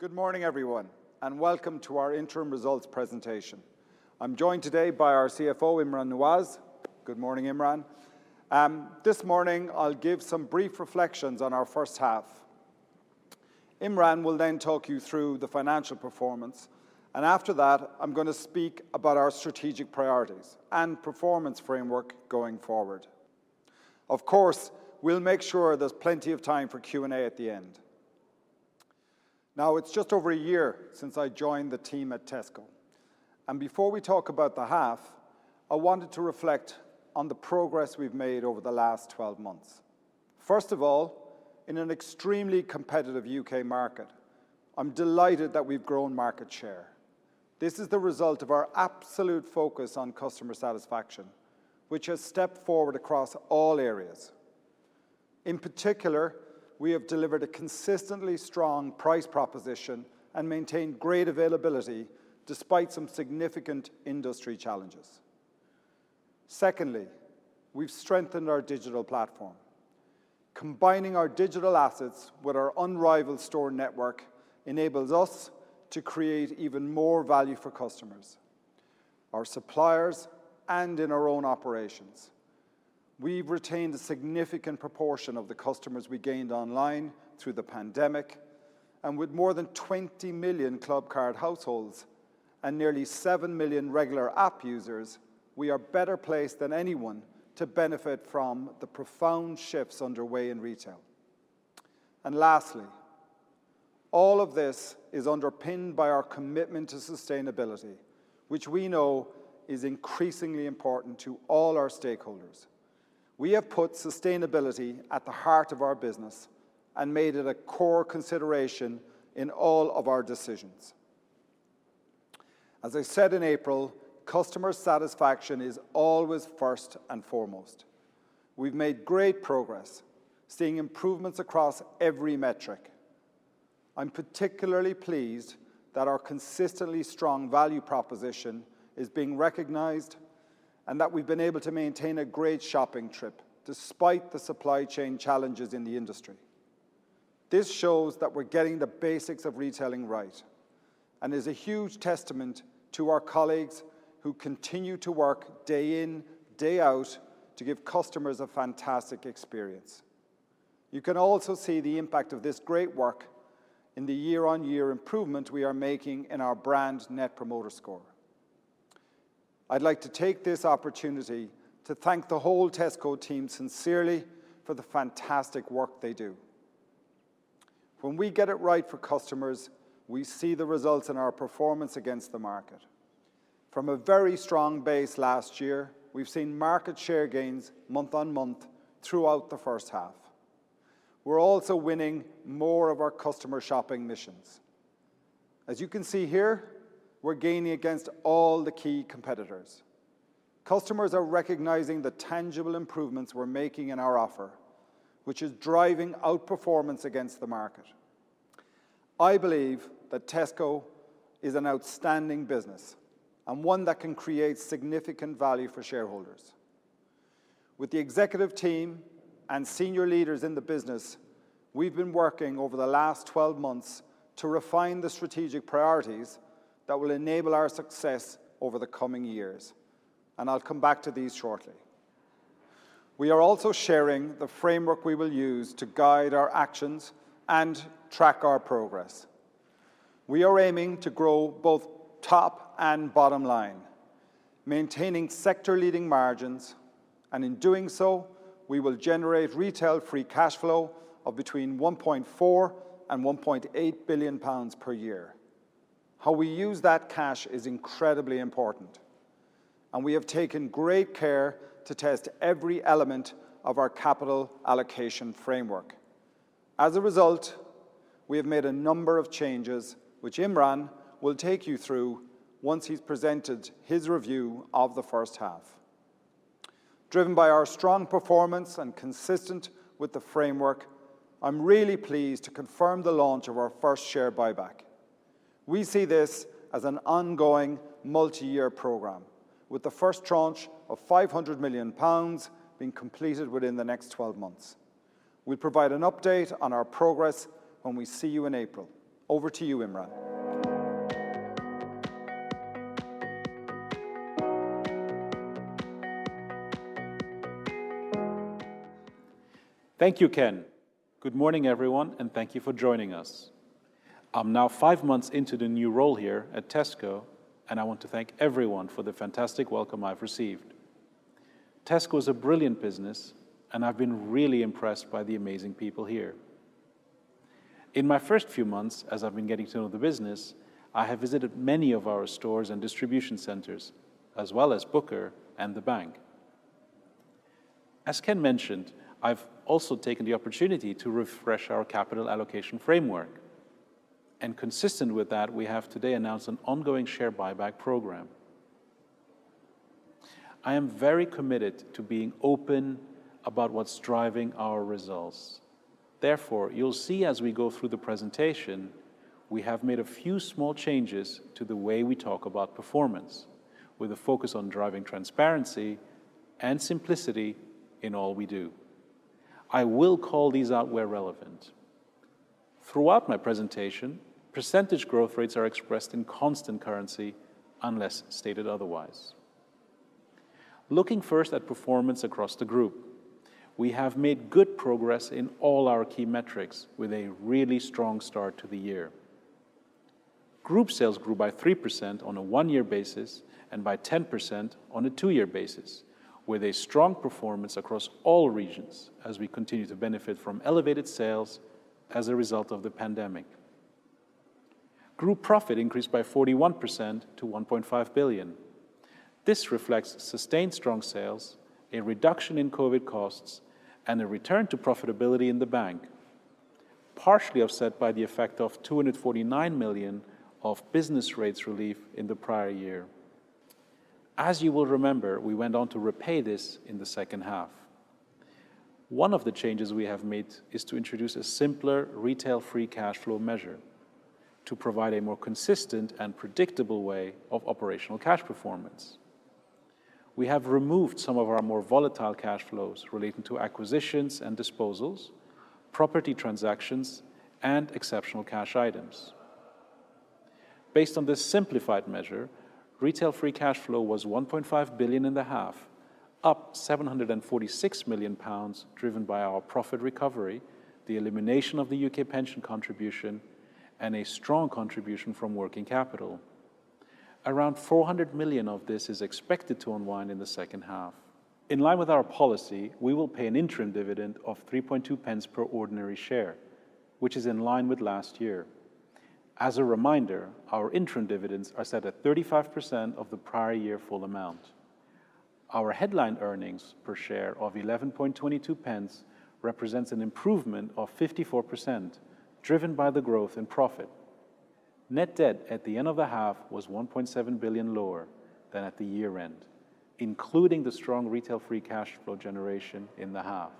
Good morning, everyone. Welcome to our interim results presentation. I'm joined today by our CFO, Imran Nawaz. Good morning, Imran. This morning I'll give some brief reflections on our first half. Imran will then talk you through the financial performance, and after that, I'm going to speak about our strategic priorities and performance framework going forward. Of course, we'll make sure there's plenty of time for Q&A at the end. It's just over a year since I joined the team at Tesco, and before we talk about the half, I wanted to reflect on the progress we've made over the last 12 months. First of all, in an extremely competitive U.K. market, I'm delighted that we've grown market share. This is the result of our absolute focus on customer satisfaction, which has stepped forward across all areas. In particular, we have delivered a consistently strong price proposition and maintained great availability despite some significant industry challenges. Secondly, we've strengthened our digital platform. Combining our digital assets with our unrivaled store network enables us to create even more value for customers, our suppliers, and in our own operations. We've retained a significant proportion of the customers we gained online through the pandemic, and with more than 20 million Clubcard households and nearly seven million regular app users, we are better placed than anyone to benefit from the profound shifts underway in retail. Lastly, all of this is underpinned by our commitment to sustainability, which we know is increasingly important to all our stakeholders. We have put sustainability at the heart of our business and made it a core consideration in all of our decisions. As I said in April, customer satisfaction is always first and foremost. We've made great progress, seeing improvements across every metric. I'm particularly pleased that our consistently strong value proposition is being recognized, and that we've been able to maintain a great shopping trip despite the supply chain challenges in the industry. This shows that we're getting the basics of retailing right and is a huge testament to our colleagues who continue to work day in, day out to give customers a fantastic experience. You can also see the impact of this great work in the year-on-year improvement we are making in our brand Net Promoter Score. I'd like to take this opportunity to thank the whole Tesco team sincerely for the fantastic work they do. When we get it right for customers, we see the results in our performance against the market. From a very strong base last year, we've seen market share gains month-on-month throughout the first half. We're also winning more of our customer shopping missions. As you can see here, we're gaining against all the key competitors. Customers are recognizing the tangible improvements we're making in our offer, which is driving outperformance against the market. I believe that Tesco is an outstanding business and one that can create significant value for shareholders. With the executive team and senior leaders in the business, we've been working over the last 12 months to refine the strategic priorities that will enable our success over the coming years, and I'll come back to these shortly. We are also sharing the framework we will use to guide our actions and track our progress. We are aiming to grow both top and bottom line, maintaining sector-leading margins, and in doing so, we will generate retail free cash flow of between 1.4 billion and 1.8 billion pounds per year. How we use that cash is incredibly important. We have taken great care to test every element of our capital allocation framework. As a result, we have made a number of changes which Imran will take you through once he's presented his review of the first half. Driven by our strong performance and consistent with the framework, I'm really pleased to confirm the launch of our first share buyback. We see this as an ongoing multi-year program with the first tranche of 500 million pounds being completed within the next 12 months. We'll provide an update on our progress when we see you in April. Over to you, Imran. Thank you, Ken. Good morning, everyone, and thank you for joining us. I'm now five months into the new role here at Tesco, and I want to thank everyone for the fantastic welcome I've received. Tesco is a brilliant business, and I've been really impressed by the amazing people here. In my first few months as I've been getting to know the business, I have visited many of our stores and distribution centers, as well as Booker and the bank. As Ken mentioned, I've also taken the opportunity to refresh our capital allocation framework, and consistent with that, we have today announced an ongoing share buyback program. I am very committed to being open about what's driving our results. You'll see as we go through the presentation, we have made a few small changes to the way we talk about performance, with a focus on driving transparency and simplicity in all we do. I will call these out where relevant. Throughout my presentation, percentage growth rates are expressed in constant currency unless stated otherwise. Looking first at performance across the group, we have made good progress in all our key metrics with a really strong start to the year. Group sales grew by 3% on a one-year basis and by 10% on a two-year basis, with a strong performance across all regions as we continue to benefit from elevated sales as a result of the pandemic. Group profit increased by 41% to 1.5 billion. This reflects sustained strong sales, a reduction in COVID costs, and a return to profitability in the bank, partially offset by the effect of 249 million of business rates relief in the prior year. As you will remember, we went on to repay this in the second half. One of the changes we have made is to introduce a simpler retail free cash flow measure to provide a more consistent and predictable way of operational cash performance. We have removed some of our more volatile cash flows relating to acquisitions and disposals, property transactions, and exceptional cash items. Based on this simplified measure, retail free cash flow was 1.5 billion in the half, up 746 million pounds, driven by our profit recovery, the elimination of the U.K. pension contribution, and a strong contribution from working capital. Around 400 million of this is expected to unwind in the second half. In line with our policy, we will pay an interim dividend of 0.032 per ordinary share, which is in line with last year. As a reminder, our interim dividends are set at 35% of the prior year full amount. Our headline earnings per share of 0.1122 represents an improvement of 54%, driven by the growth in profit. Net debt at the end of the half was 1.7 billion lower than at the year-end, including the strong retail free cash flow generation in the half.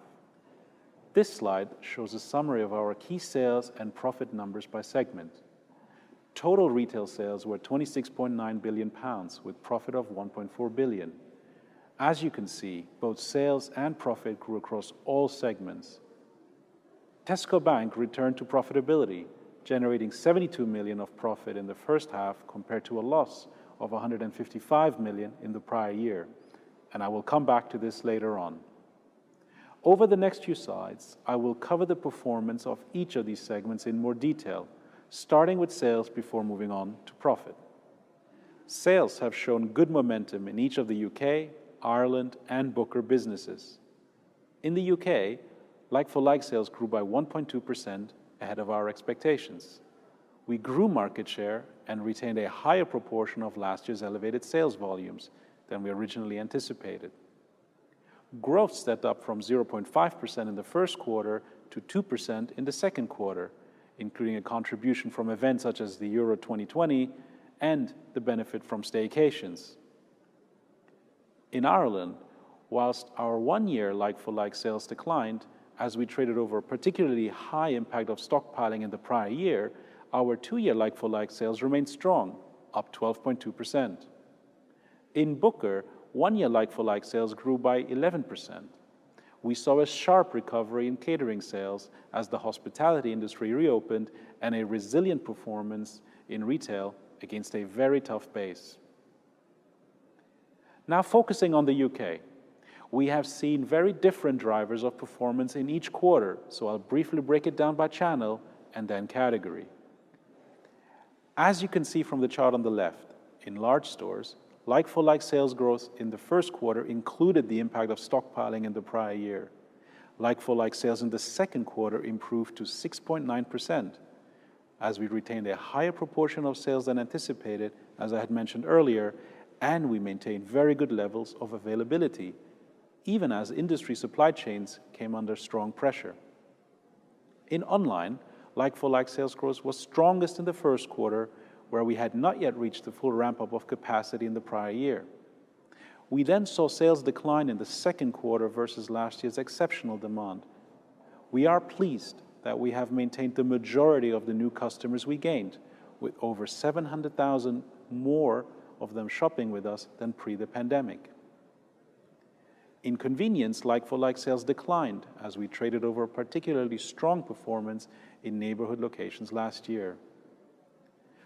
This slide shows a summary of our key sales and profit numbers by segment. Total retail sales were 26.9 billion pounds with profit of 1.4 billion. As you can see, both sales and profit grew across all segments. Tesco Bank returned to profitability, generating 72 million of profit in the first half, compared to a loss of 155 million in the prior year. I will come back to this later on. Over the next few slides, I will cover the performance of each of these segments in more detail, starting with sales before moving on to profit. Sales have shown good momentum in each of the U.K., Ireland, and Booker businesses. In the U.K., like-for-like sales grew by 1.2%, ahead of our expectations. We grew market share and retained a higher proportion of last year's elevated sales volumes than we originally anticipated. Growth stepped up from 0.5% in the first quarter to 2% in the second quarter, including a contribution from events such as the Euro 2020 and the benefit from staycations. In Ireland, whilst our one-year like-for-like sales declined as we traded over a particularly high impact of stockpiling in the prior year, our two-year like-for-like sales remained strong, up 12.2%. In Booker, one-year like-for-like sales grew by 11%. We saw a sharp recovery in catering sales as the hospitality industry reopened and a resilient performance in retail against a very tough base. Focusing on the U.K. We have seen very different drivers of performance in each quarter, I'll briefly break it down by channel and then category. As you can see from the chart on the left, in large stores, like-for-like sales growth in the first quarter included the impact of stockpiling in the prior year. Like-for-like sales in the second quarter improved to 6.9% as we retained a higher proportion of sales than anticipated, as I had mentioned earlier, and we maintained very good levels of availability, even as industry supply chains came under strong pressure. In online, like-for-like sales growth was strongest in the first quarter, where we had not yet reached the full ramp-up of capacity in the prior year. We saw sales decline in the second quarter versus last year's exceptional demand. We are pleased that we have maintained the majority of the new customers we gained, with over 700,000 more of them shopping with us than pre the pandemic. In convenience, like-for-like sales declined as we traded over a particularly strong performance in neighborhood locations last year.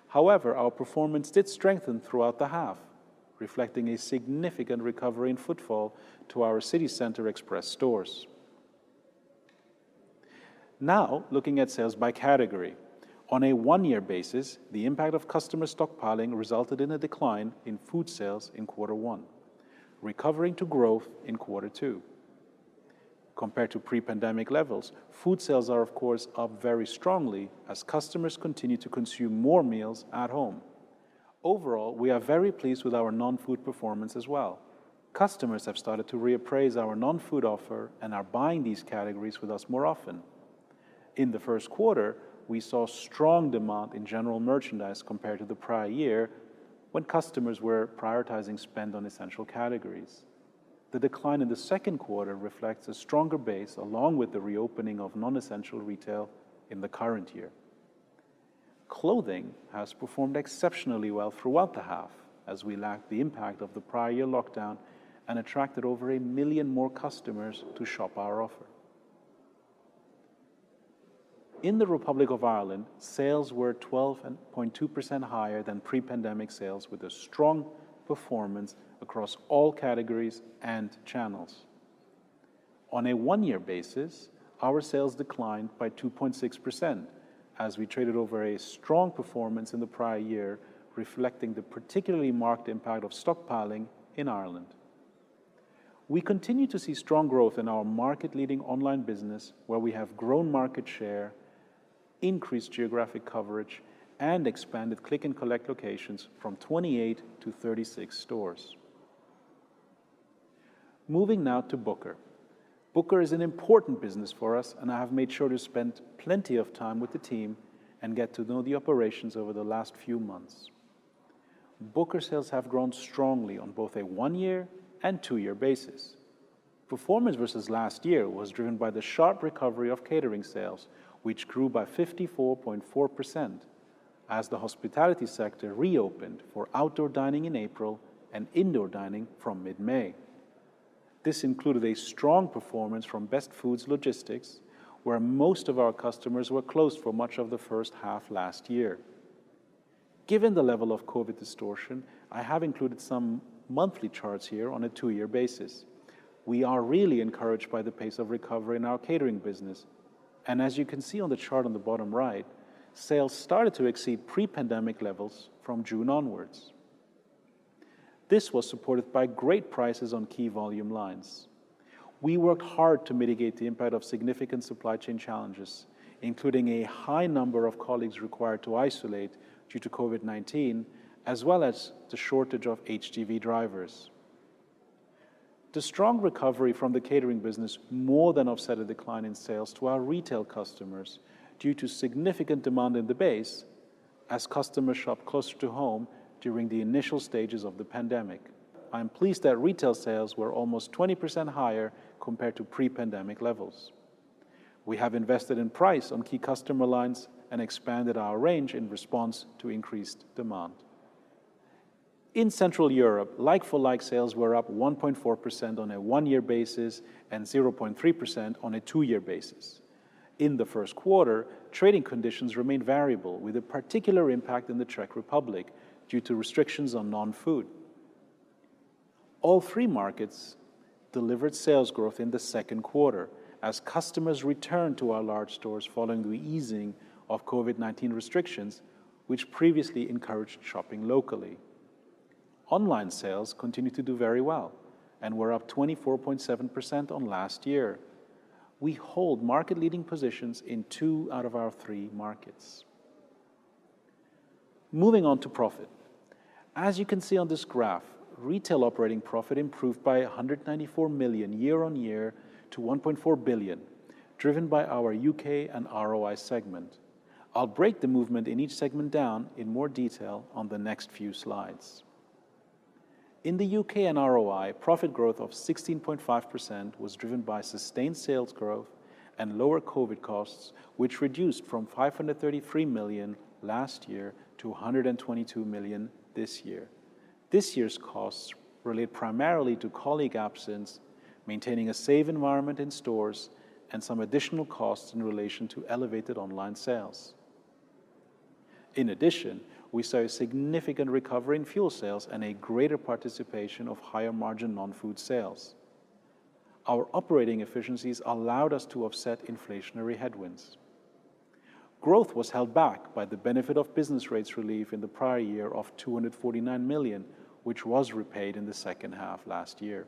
However, our performance did strengthen throughout the half, reflecting a significant recovery in footfall to our city center express stores. Looking at sales by category. On a one-year basis, the impact of customer stockpiling resulted in a decline in food sales in quarter one, recovering to growth in quarter two. Compared to pre-pandemic levels, food sales are of course up very strongly as customers continue to consume more meals at home. Overall, we are very pleased with our non-food performance as well. Customers have started to reappraise our non-food offer and are buying these categories with us more often. In the first quarter, we saw strong demand in general merchandise compared to the prior year, when customers were prioritizing spend on essential categories. The decline in the second quarter reflects a stronger base along with the reopening of non-essential retail in the current year. Clothing has performed exceptionally well throughout the half as we lapped the impact of the prior year lockdown and attracted over a million more customers to shop our offer. In the Republic of Ireland, sales were 12.2% higher than pre-pandemic sales, with a strong performance across all categories and channels. On a one-year basis, our sales declined by 2.6% as we traded over a strong performance in the prior year, reflecting the particularly marked impact of stockpiling in Ireland. We continue to see strong growth in our market-leading online business where we have grown market share, increased geographic coverage, and expanded Click+Collect locations from 28-36 stores. Moving now to Booker. Booker is an important business for us, and I have made sure to spend plenty of time with the team and get to know the operations over the last few months. Booker sales have grown strongly on both a one-year and two-year basis. Performance versus last year was driven by the sharp recovery of catering sales, which grew by 54.4% as the hospitality sector reopened for outdoor dining in April and indoor dining from mid-May. This included a strong performance from Best Food Logistics, where most of our customers were closed for much of the first half last year. Given the level of COVID distortion, I have included some monthly charts here on a two-year basis. We are really encouraged by the pace of recovery in our catering business. As you can see on the chart on the bottom right, sales started to exceed pre-pandemic levels from June onwards. This was supported by great prices on key volume lines. We worked hard to mitigate the impact of significant supply chain challenges, including a high number of colleagues required to isolate due to COVID-19, as well as the shortage of HGV drivers. The strong recovery from the catering business more than offset a decline in sales to our retail customers due to significant demand in the base as customers shopped closer to home during the initial stages of the pandemic. I'm pleased that retail sales were almost 20% higher compared to pre-pandemic levels. We have invested in price on key customer lines and expanded our range in response to increased demand. In Central Europe, like-for-like sales were up 1.4% on a one-year basis and 0.3% on a two-year basis. In the first quarter, trading conditions remained variable, with a particular impact in the Czech Republic due to restrictions on non-food. All three markets delivered sales growth in the second quarter as customers returned to our large stores following the easing of COVID-19 restrictions, which previously encouraged shopping locally. Online sales continue to do very well and were up 24.7% on last year. We hold market-leading positions in two out of our three markets. Moving on to profit. As you can see on this graph, retail operating profit improved by 194 million year-on-year to 1.4 billion, driven by our U.K. and ROI segment. I'll break the movement in each segment down in more detail on the next few slides. In the U.K. and ROI, profit growth of 16.5% was driven by sustained sales growth and lower COVID costs, which reduced from 533 million last year to 122 million this year. This year's costs relate primarily to colleague absence, maintaining a safe environment in stores, and some additional costs in relation to elevated online sales. In addition, we saw a significant recovery in fuel sales and a greater participation of higher margin non-food sales. Our operating efficiencies allowed us to offset inflationary headwinds. Growth was held back by the benefit of business rates relief in the prior year of 249 million, which was repaid in the second half last year.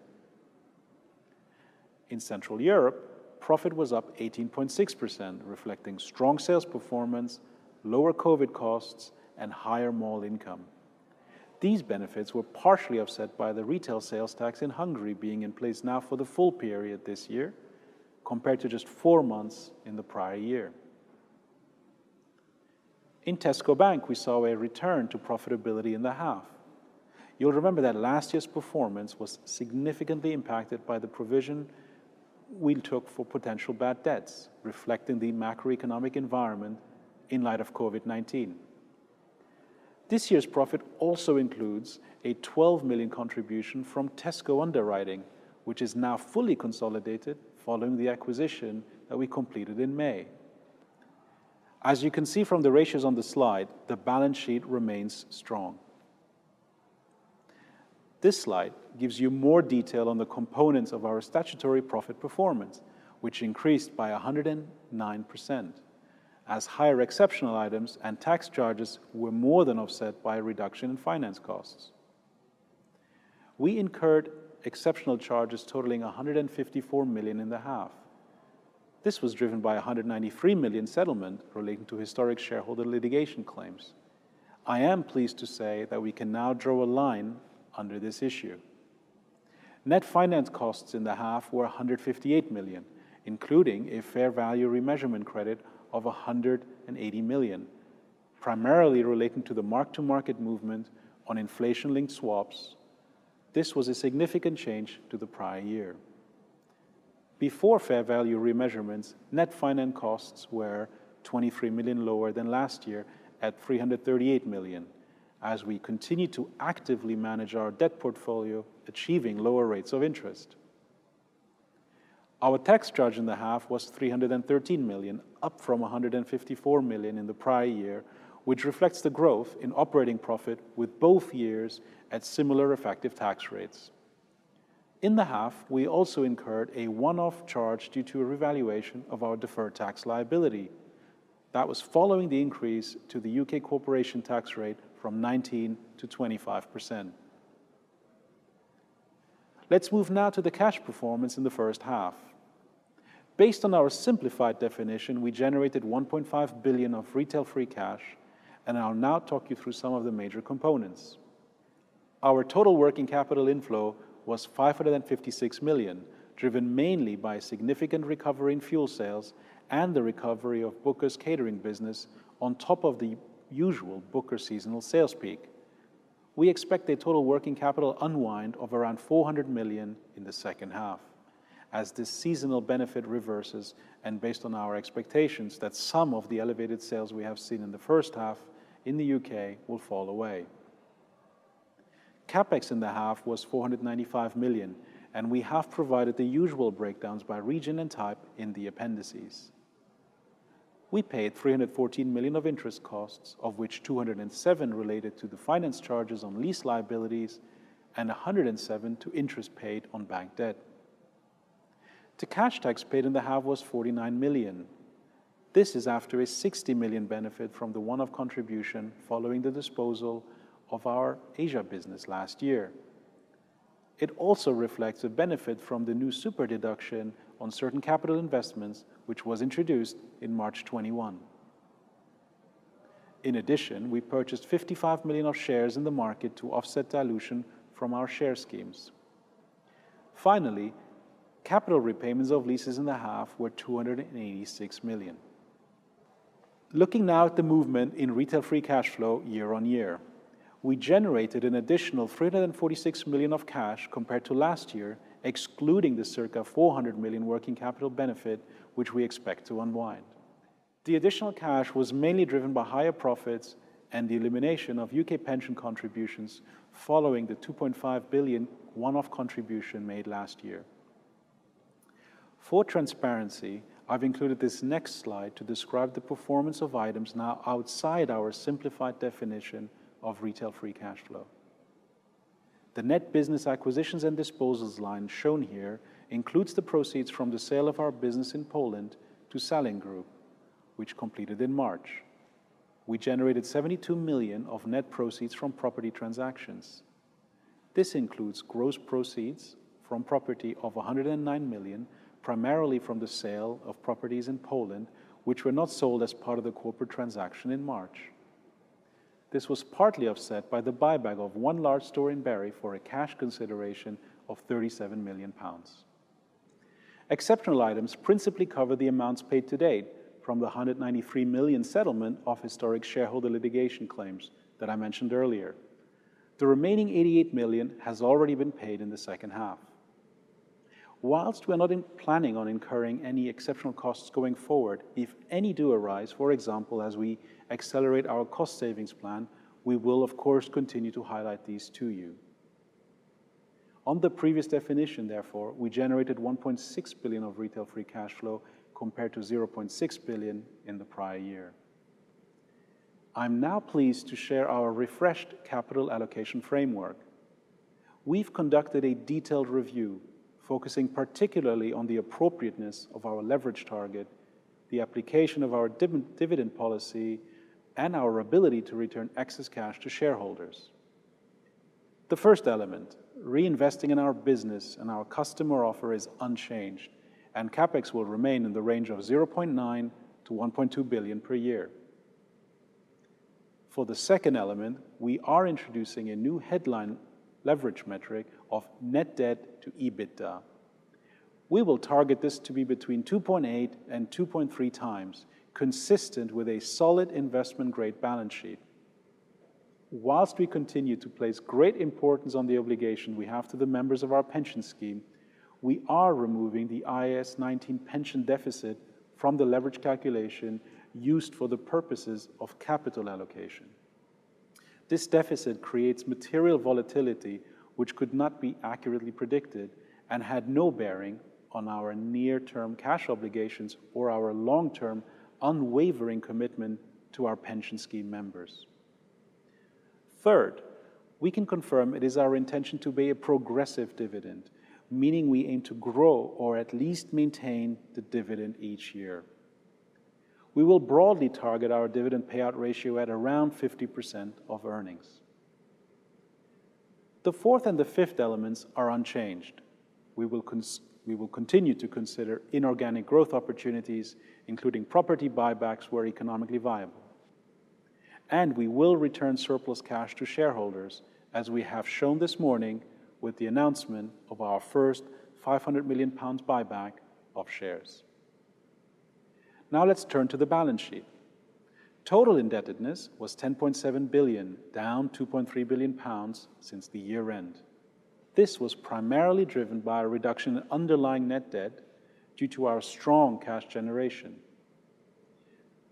In Central Europe, profit was up 18.6%, reflecting strong sales performance, lower COVID costs, and higher mall income. These benefits were partially offset by the retail sales tax in Hungary being in place now for the full period this year, compared to just four months in the prior year. In Tesco Bank, we saw a return to profitability in the half. You'll remember that last year's performance was significantly impacted by the provision we took for potential bad debts, reflecting the macroeconomic environment in light of COVID-19. This year's profit also includes a 12 million contribution from Tesco Underwriting, which is now fully consolidated following the acquisition that we completed in May. As you can see from the ratios on the slide, the balance sheet remains strong. This slide gives you more detail on the components of our statutory profit performance, which increased by 109% as higher exceptional items and tax charges were more than offset by a reduction in finance costs. We incurred exceptional charges totaling 154 million in the half. This was driven by 193 million settlement relating to historic shareholder litigation claims. I am pleased to say that we can now draw a line under this issue. Net finance costs in the half were 158 million, including a fair value remeasurement credit of 180 million, primarily relating to the mark to market movement on inflation-linked swaps. This was a significant change to the prior year. Before fair value remeasurements, net finance costs were 23 million lower than last year at 338 million, as we continue to actively manage our debt portfolio, achieving lower rates of interest. Our tax charge in the half was 313 million, up from 154 million in the prior year, which reflects the growth in operating profit with both years at similar effective tax rates. In the half, we also incurred a one-off charge due to a revaluation of our deferred tax liability. That was following the increase to the U.K. corporation tax rate from 19% to 25%. Let's move now to the cash performance in the first half. Based on our simplified definition, we generated 1.5 billion of retail free cash, and I'll now talk you through some of the major components. Our total working capital inflow was 556 million, driven mainly by significant recovery in fuel sales and the recovery of Booker's catering business on top of the usual Booker seasonal sales peak. We expect a total working capital unwind of around 400 million in the second half as this seasonal benefit reverses and based on our expectations that some of the elevated sales we have seen in the first half in the U.K. will fall away. CapEx in the half was 495 million, and we have provided the usual breakdowns by region and type in the appendices. We paid 314 million of interest costs, of which 207 related to the finance charges on lease liabilities and 107 to interest paid on bank debt. The cash tax paid in the half was 49 million. This is after a 60 million benefit from the one-off contribution following the disposal of our Asia business last year. It also reflects a benefit from the new super-deduction on certain capital investments, which was introduced in March 2021. In addition, we purchased 55 million of shares in the market to offset dilution from our share schemes. Finally, capital repayments of leases in the half were 286 million. Looking now at the movement in retail free cash flow year-on-year. We generated an additional 346 million of cash compared to last year, excluding the circa 400 million working capital benefit, which we expect to unwind. The additional cash was mainly driven by higher profits and the elimination of U.K. pension contributions following the 2.5 billion one-off contribution made last year. For transparency, I've included this next slide to describe the performance of items now outside our simplified definition of retail free cash flow. The net business acquisitions and disposals line shown here includes the proceeds from the sale of our business in Poland to Salling Group, which completed in March. We generated 72 million of net proceeds from property transactions. This includes gross proceeds from property of 109 million, primarily from the sale of properties in Poland, which were not sold as part of the corporate transaction in March. This was partly offset by the buyback of one large store in Bury for a cash consideration of 37 million pounds. Exceptional items principally cover the amounts paid to date from the 193 million settlement of historic shareholder litigation claims that I mentioned earlier. The remaining 88 million has already been paid in the second half. Whilst we're not planning on incurring any exceptional costs going forward, if any do arise, for example, as we accelerate our cost savings plan, we will, of course, continue to highlight these to you. On the previous definition, therefore, we generated 1.6 billion of retail free cash flow compared to 0.6 billion in the prior year. I'm now pleased to share our refreshed capital allocation framework. We've conducted a detailed review focusing particularly on the appropriateness of our leverage target, the application of our dividend policy, and our ability to return excess cash to shareholders. The first element, reinvesting in our business and our customer offer, is unchanged. CapEx will remain in the range of 0.9 billion-1.2 billion per year. For the second element, we are introducing a new headline leverage metric of net debt to EBITDA. We will target this to be between 2.8x and 2.3x, consistent with a solid investment-grade balance sheet. Whilst we continue to place great importance on the obligation we have to the members of our pension scheme, we are removing the IAS 19 pension deficit from the leverage calculation used for the purposes of capital allocation. This deficit creates material volatility, which could not be accurately predicted and had no bearing on our near-term cash obligations or our long-term unwavering commitment to our pension scheme members. Third, we can confirm it is our intention to pay a progressive dividend, meaning we aim to grow or at least maintain the dividend each year. We will broadly target our dividend payout ratio at around 50% of earnings. The fourth and the fifth elements are unchanged. We will continue to consider inorganic growth opportunities, including property buybacks, where economically viable. We will return surplus cash to shareholders, as we have shown this morning with the announcement of our first 500 million pounds buyback of shares. Now let's turn to the balance sheet. Total indebtedness was 10.7 billion, down 2.3 billion pounds since the year-end. This was primarily driven by a reduction in underlying net debt due to our strong cash generation.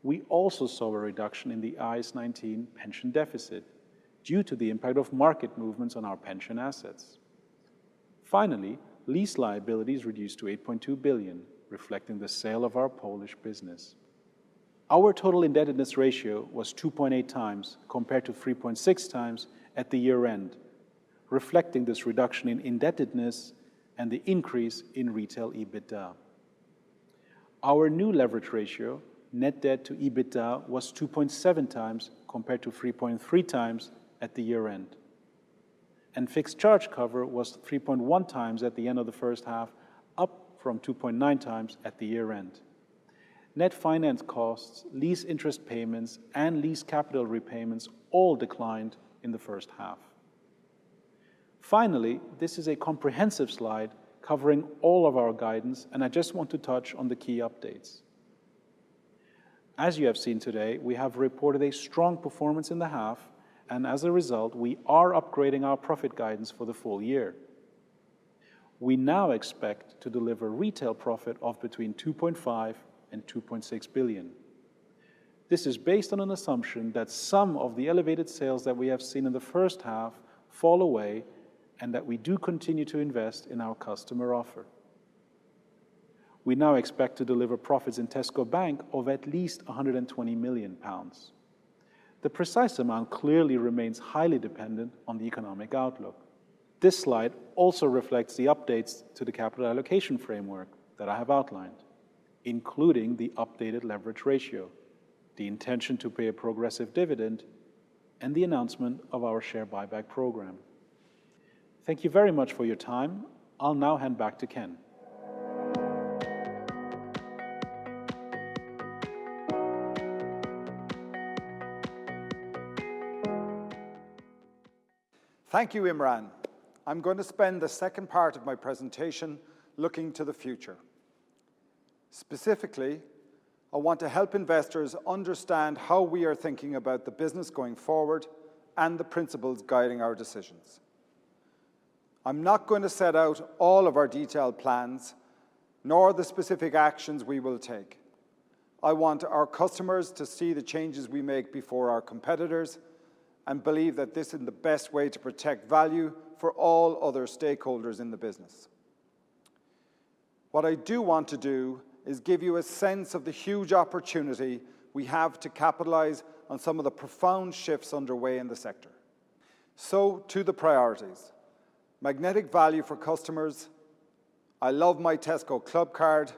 We also saw a reduction in the IAS 19 pension deficit due to the impact of market movements on our pension assets. Finally, lease liabilities reduced to 8.2 billion, reflecting the sale of our Polish business. Our total indebtedness ratio was 2.8x compared to 3.6x at the year-end, reflecting this reduction in indebtedness and the increase in retail EBITDA. Our new leverage ratio, net debt to EBITDA, was 2.7x compared to 3.3x at the year-end. Fixed charge cover was 3.1x at the end of the first half, up from 2.9x at the year-end. Net finance costs, lease interest payments, and lease capital repayments all declined in the first half. Finally, this is a comprehensive slide covering all of our guidance, and I just want to touch on the key updates. As you have seen today, we have reported a strong performance in the half, and as a result, we are upgrading our profit guidance for the full year. We now expect to deliver retail profit of between 2.5 billion and 2.6 billion. This is based on an assumption that some of the elevated sales that we have seen in the first half fall away, and that we do continue to invest in our customer offer. We now expect to deliver profits in Tesco Bank of at least 120 million pounds. The precise amount clearly remains highly dependent on the economic outlook. This slide also reflects the updates to the capital allocation framework that I have outlined, including the updated leverage ratio, the intention to pay a progressive dividend, and the announcement of our share buyback program. Thank you very much for your time. I'll now hand back to Ken. Thank you, Imran. I'm going to spend the second part of my presentation looking to the future. Specifically, I want to help investors understand how we are thinking about the business going forward and the principles guiding our decisions. I'm not going to set out all of our detailed plans, nor the specific actions we will take. I want our customers to see the changes we make before our competitors and believe that this is the best way to protect value for all other stakeholders in the business. What I do want to do is give you a sense of the huge opportunity we have to capitalize on some of the profound shifts underway in the sector. To the priorities. Magnetic value for customers, I love my Tesco Clubcard,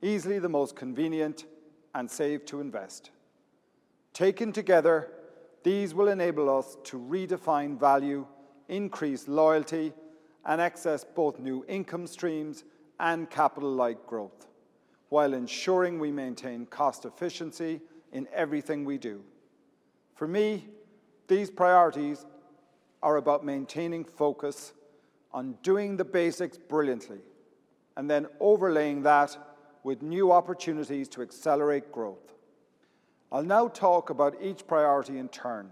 easily the most convenient, and save to invest. Taken together, these will enable us to redefine value, increase loyalty, and access both new income streams and capital-light growth while ensuring we maintain cost efficiency in everything we do. For me, these priorities are about maintaining focus on doing the basics brilliantly and then overlaying that with new opportunities to accelerate growth. I'll now talk about each priority in turn,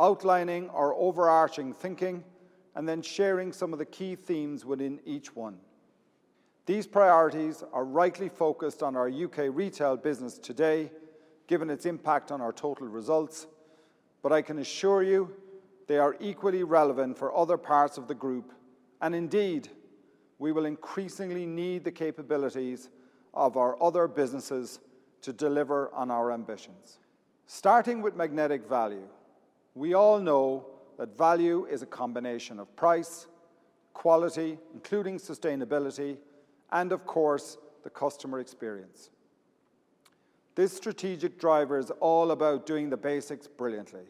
outlining our overarching thinking and then sharing some of the key themes within each one. These priorities are rightly focused on our U.K. retail business today, given its impact on our total results, but I can assure you they are equally relevant for other parts of the group, and indeed, we will increasingly need the capabilities of our other businesses to deliver on our ambitions. Starting with magnetic value, we all know that value is a combination of price, quality, including sustainability, and of course, the customer experience. This strategic driver is all about doing the basics brilliantly,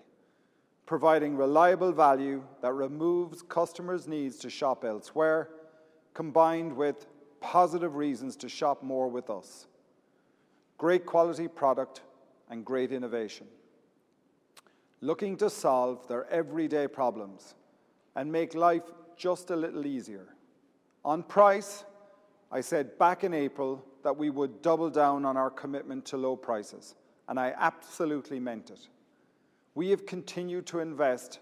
providing reliable value that removes customers' needs to shop elsewhere, combined with positive reasons to shop more with us, great quality product, and great innovation, looking to solve their everyday problems and make life just a little easier. On price, I said back in April that we would double down on our commitment to low prices. I absolutely meant it. We have continued to invest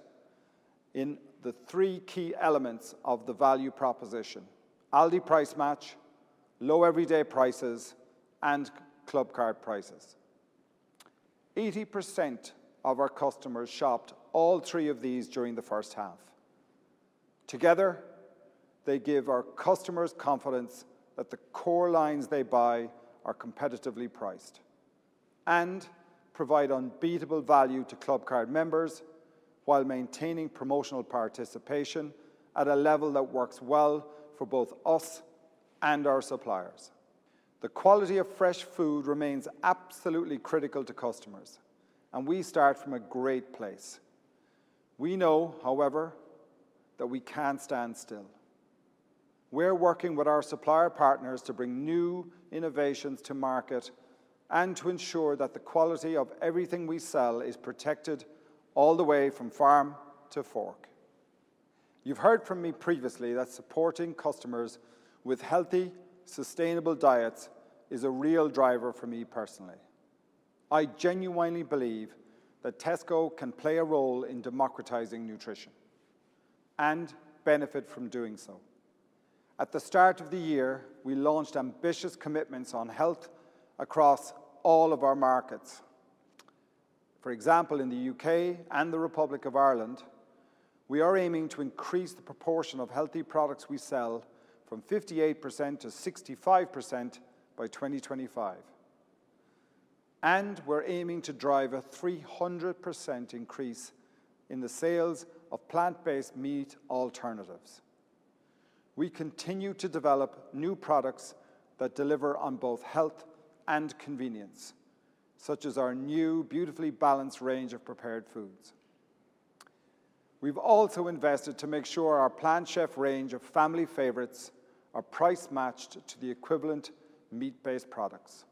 in the three key elements of the value proposition, Aldi Price Match, low everyday prices, and Clubcard Prices. 80% of our customers shopped all three of these during the first half. Together, they give our customers confidence that the core lines they buy are competitively priced and provide unbeatable value to Clubcard members while maintaining promotional participation at a level that works well for both us and our suppliers. The quality of fresh food remains absolutely critical to customers, and we start from a great place. We know, however, that we can't stand still. We're working with our supplier partners to bring new innovations to market and to ensure that the quality of everything we sell is protected all the way from farm to fork. You've heard from me previously that supporting customers with healthy, sustainable diets is a real driver for me personally. I genuinely believe that Tesco can play a role in democratizing nutrition and benefit from doing so. At the start of the year, we launched ambitious commitments on health across all of our markets. For example, in the U.K. and the Republic of Ireland, we are aiming to increase the proportion of healthy products we sell from 58% to 65% by 2025. We're aiming to drive a 300% increase in the sales of plant-based meat alternatives. We continue to develop new products that deliver on both health and convenience, such as our new Beautifully Balanced range of prepared foods. We've also invested to make sure our Plant Chef range of family favorites are price-matched to the equivalent meat-based products.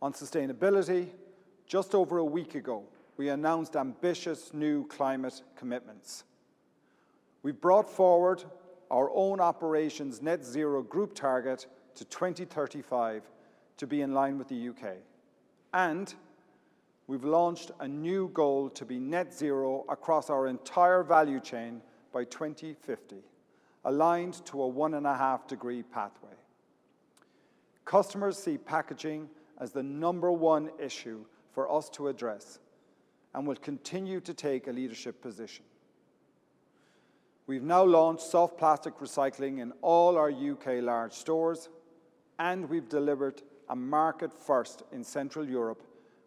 On sustainability, just over a week ago, we announced ambitious new climate commitments. We brought forward our own operations net zero group target to 2035 to be in line with the U.K., and we've launched a new goal to be net zero across our entire value chain by 2050, aligned to a one and a half degree pathway. Customers see packaging as the number one issue for us to address and will continue to take a leadership position. We've now launched soft plastic recycling in all our U.K. large stores, and we've delivered a market first in Central Europe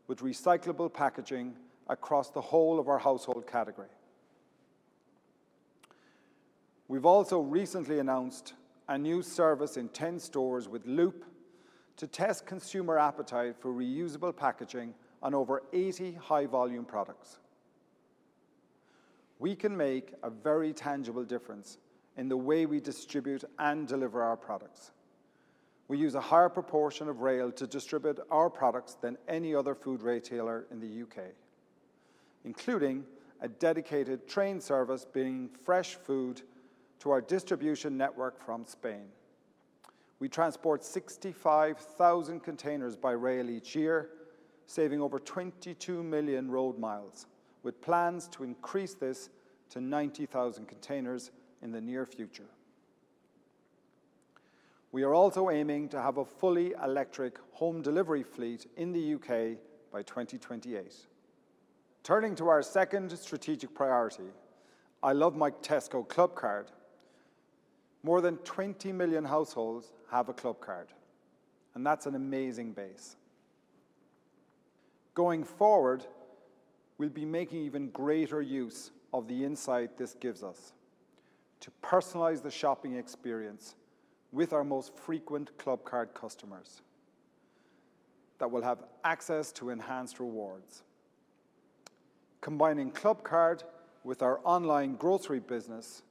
with recyclable packaging across the whole of our household category. We've also recently announced a new service in 10 stores with Loop to test consumer appetite for reusable packaging on over 80 high-volume products. We can make a very tangible difference in the way we distribute and deliver our products. We use a higher proportion of rail to distribute our products than any other food retailer in the U.K., including a dedicated train service bringing fresh food to our distribution network from Spain. We transport 65,000 containers by rail each year, saving over 22 million road miles, with plans to increase this to 90,000 containers in the near future. We are also aiming to have a fully electric home delivery fleet in the U.K. by 2028. Turning to our second strategic priority, I love my Tesco Clubcard. More than 20 million households have a Clubcard, and that's an amazing base. Going forward, we'll be making even greater use of the insight this gives us to personalize the shopping experience with our most frequent Clubcard customers that will have access to enhanced rewards. Combining Clubcard with our online grocery business,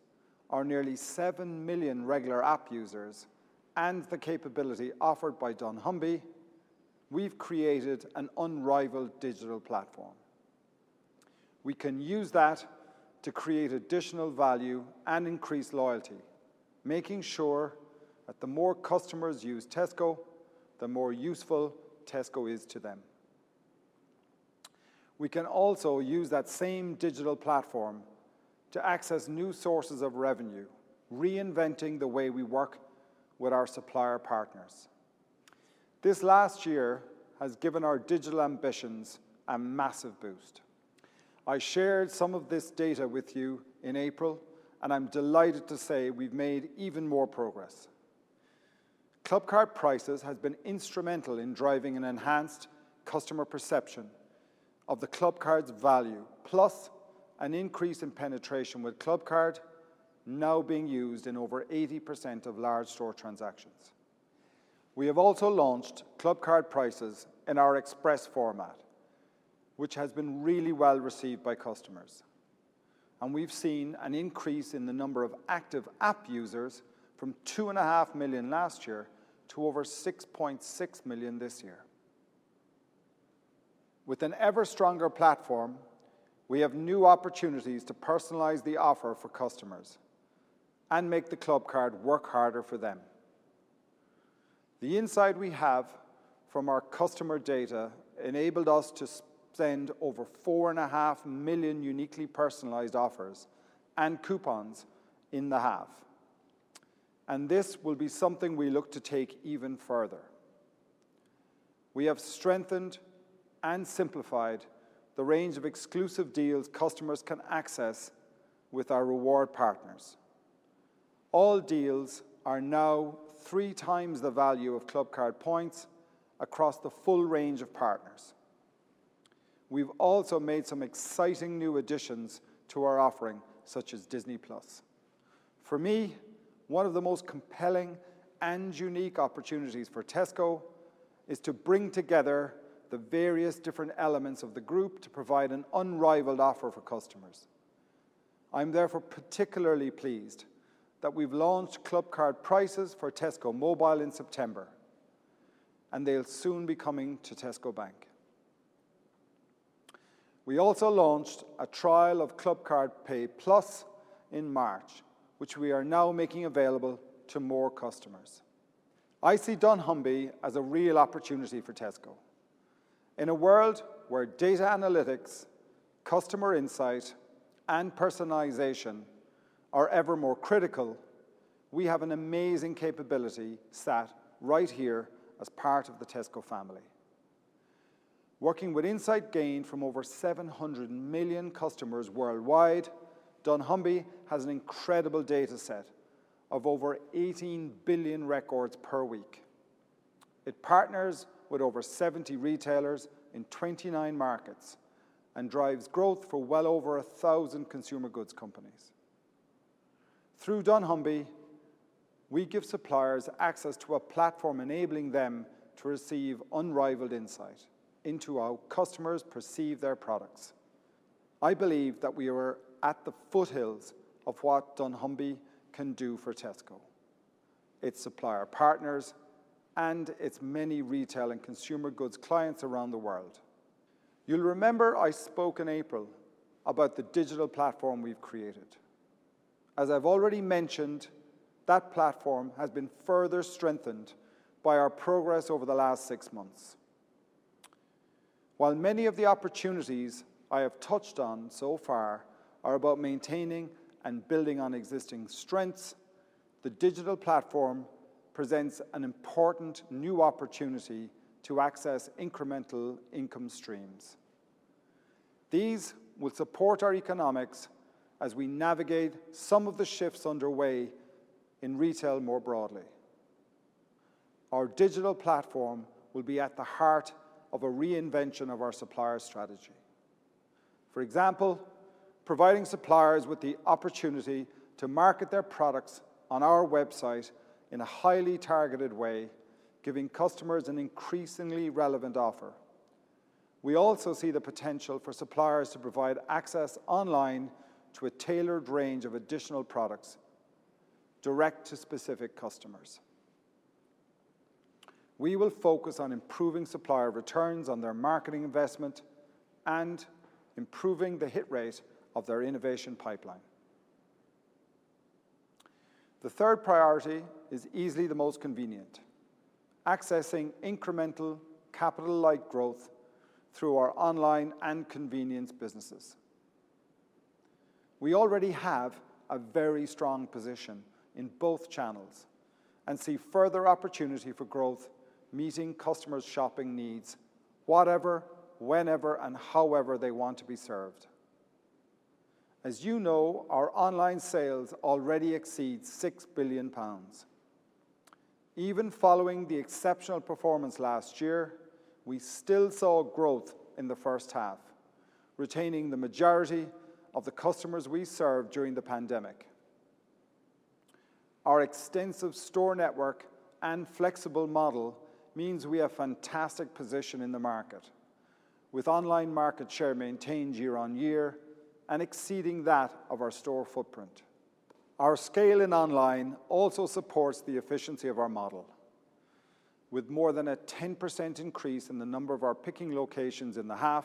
our nearly seven million regular app users, and the capability offered by dunnhumby, we've created an unrivaled digital platform. We can use that to create additional value and increase loyalty, making sure that the more customers use Tesco, the more useful Tesco is to them. We can also use that same digital platform to access new sources of revenue, reinventing the way we work with our supplier partners. This last year has given our digital ambitions a massive boost. I shared some of this data with you in April, and I'm delighted to say we've made even more progress. Clubcard Prices has been instrumental in driving an enhanced customer perception of the Clubcard's value, plus an increase in penetration, with Clubcard now being used in over 80% of large store transactions. We have also launched Clubcard Prices in our Express format, which has been really well received by customers, and we've seen an increase in the number of active app users from 2.5 million last year to over 6.6 million this year. With an ever-stronger platform, we have new opportunities to personalize the offer for customers and make the Clubcard work harder for them. The insight we have from our customer data enabled us to send over 4.5 million uniquely personalized offers and coupons in the half, and this will be something we look to take even further. We have strengthened and simplified the range of exclusive deals customers can access with our reward partners. All deals are now 3x the value of Clubcard points across the full range of partners. We've also made some exciting new additions to our offering, such as Disney Plus. For me, one of the most compelling and unique opportunities for Tesco is to bring together the various different elements of the group to provide an unrivaled offer for customers. I'm therefore particularly pleased that we've launched Clubcard Prices for Tesco Mobile in September. They'll soon be coming to Tesco Bank. We also launched a trial of Clubcard Pay+ in March, which we are now making available to more customers. I see dunnhumby as a real opportunity for Tesco. In a world where data analytics, customer insight, and personalization are ever more critical, we have an amazing capability sat right here as part of the Tesco family. Working with insight gained from over 700 million customers worldwide, dunnhumby has an incredible data set of over 18 billion records per week. It partners with over 70 retailers in 29 markets and drives growth for well over 1,000 consumer goods companies. Through dunnhumby, we give suppliers access to a platform enabling them to receive unrivaled insight into how customers perceive their products. I believe that we are at the foothills of what dunnhumby can do for Tesco, its supplier partners, and its many retail and consumer goods clients around the world. You'll remember I spoke in April about the digital platform we've created. As I've already mentioned, that platform has been further strengthened by our progress over the last six months. While many of the opportunities I have touched on so far are about maintaining and building on existing strengths, the digital platform presents an important new opportunity to access incremental income streams. These will support our economics as we navigate some of the shifts underway in retail more broadly. Our digital platform will be at the heart of a reinvention of our supplier strategy. For example, providing suppliers with the opportunity to market their products on our website in a highly targeted way, giving customers an increasingly relevant offer. We also see the potential for suppliers to provide access online to a tailored range of additional products direct to specific customers. We will focus on improving supplier returns on their marketing investment and improving the hit rate of their innovation pipeline. The third priority is easily the most convenient, accessing incremental capital-light growth through our online and convenience businesses. We already have a very strong position in both channels and see further opportunity for growth meeting customers' shopping needs, whatever, whenever, and however they want to be served. As you know, our online sales already exceed 6 billion pounds. Even following the exceptional performance last year, we still saw growth in the first half, retaining the majority of the customers we served during the pandemic. Our extensive store network and flexible model means we have fantastic position in the market, with online market share maintained year-on-year and exceeding that of our store footprint. Our scale in online also supports the efficiency of our model. With more than a 10% increase in the number of our picking locations in the half,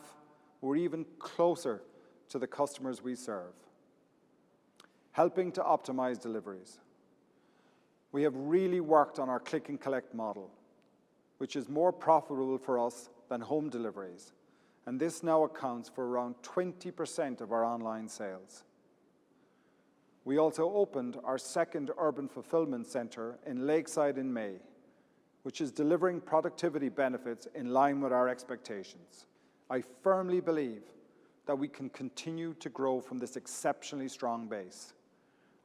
we're even closer to the customers we serve, helping to optimize deliveries. We have really worked on our Click+Collect model, which is more profitable for us than home deliveries, and this now accounts for around 20% of our online sales. We also opened our second urban fulfillment center in Lakeside in May, which is delivering productivity benefits in line with our expectations. I firmly believe that we can continue to grow from this exceptionally strong base.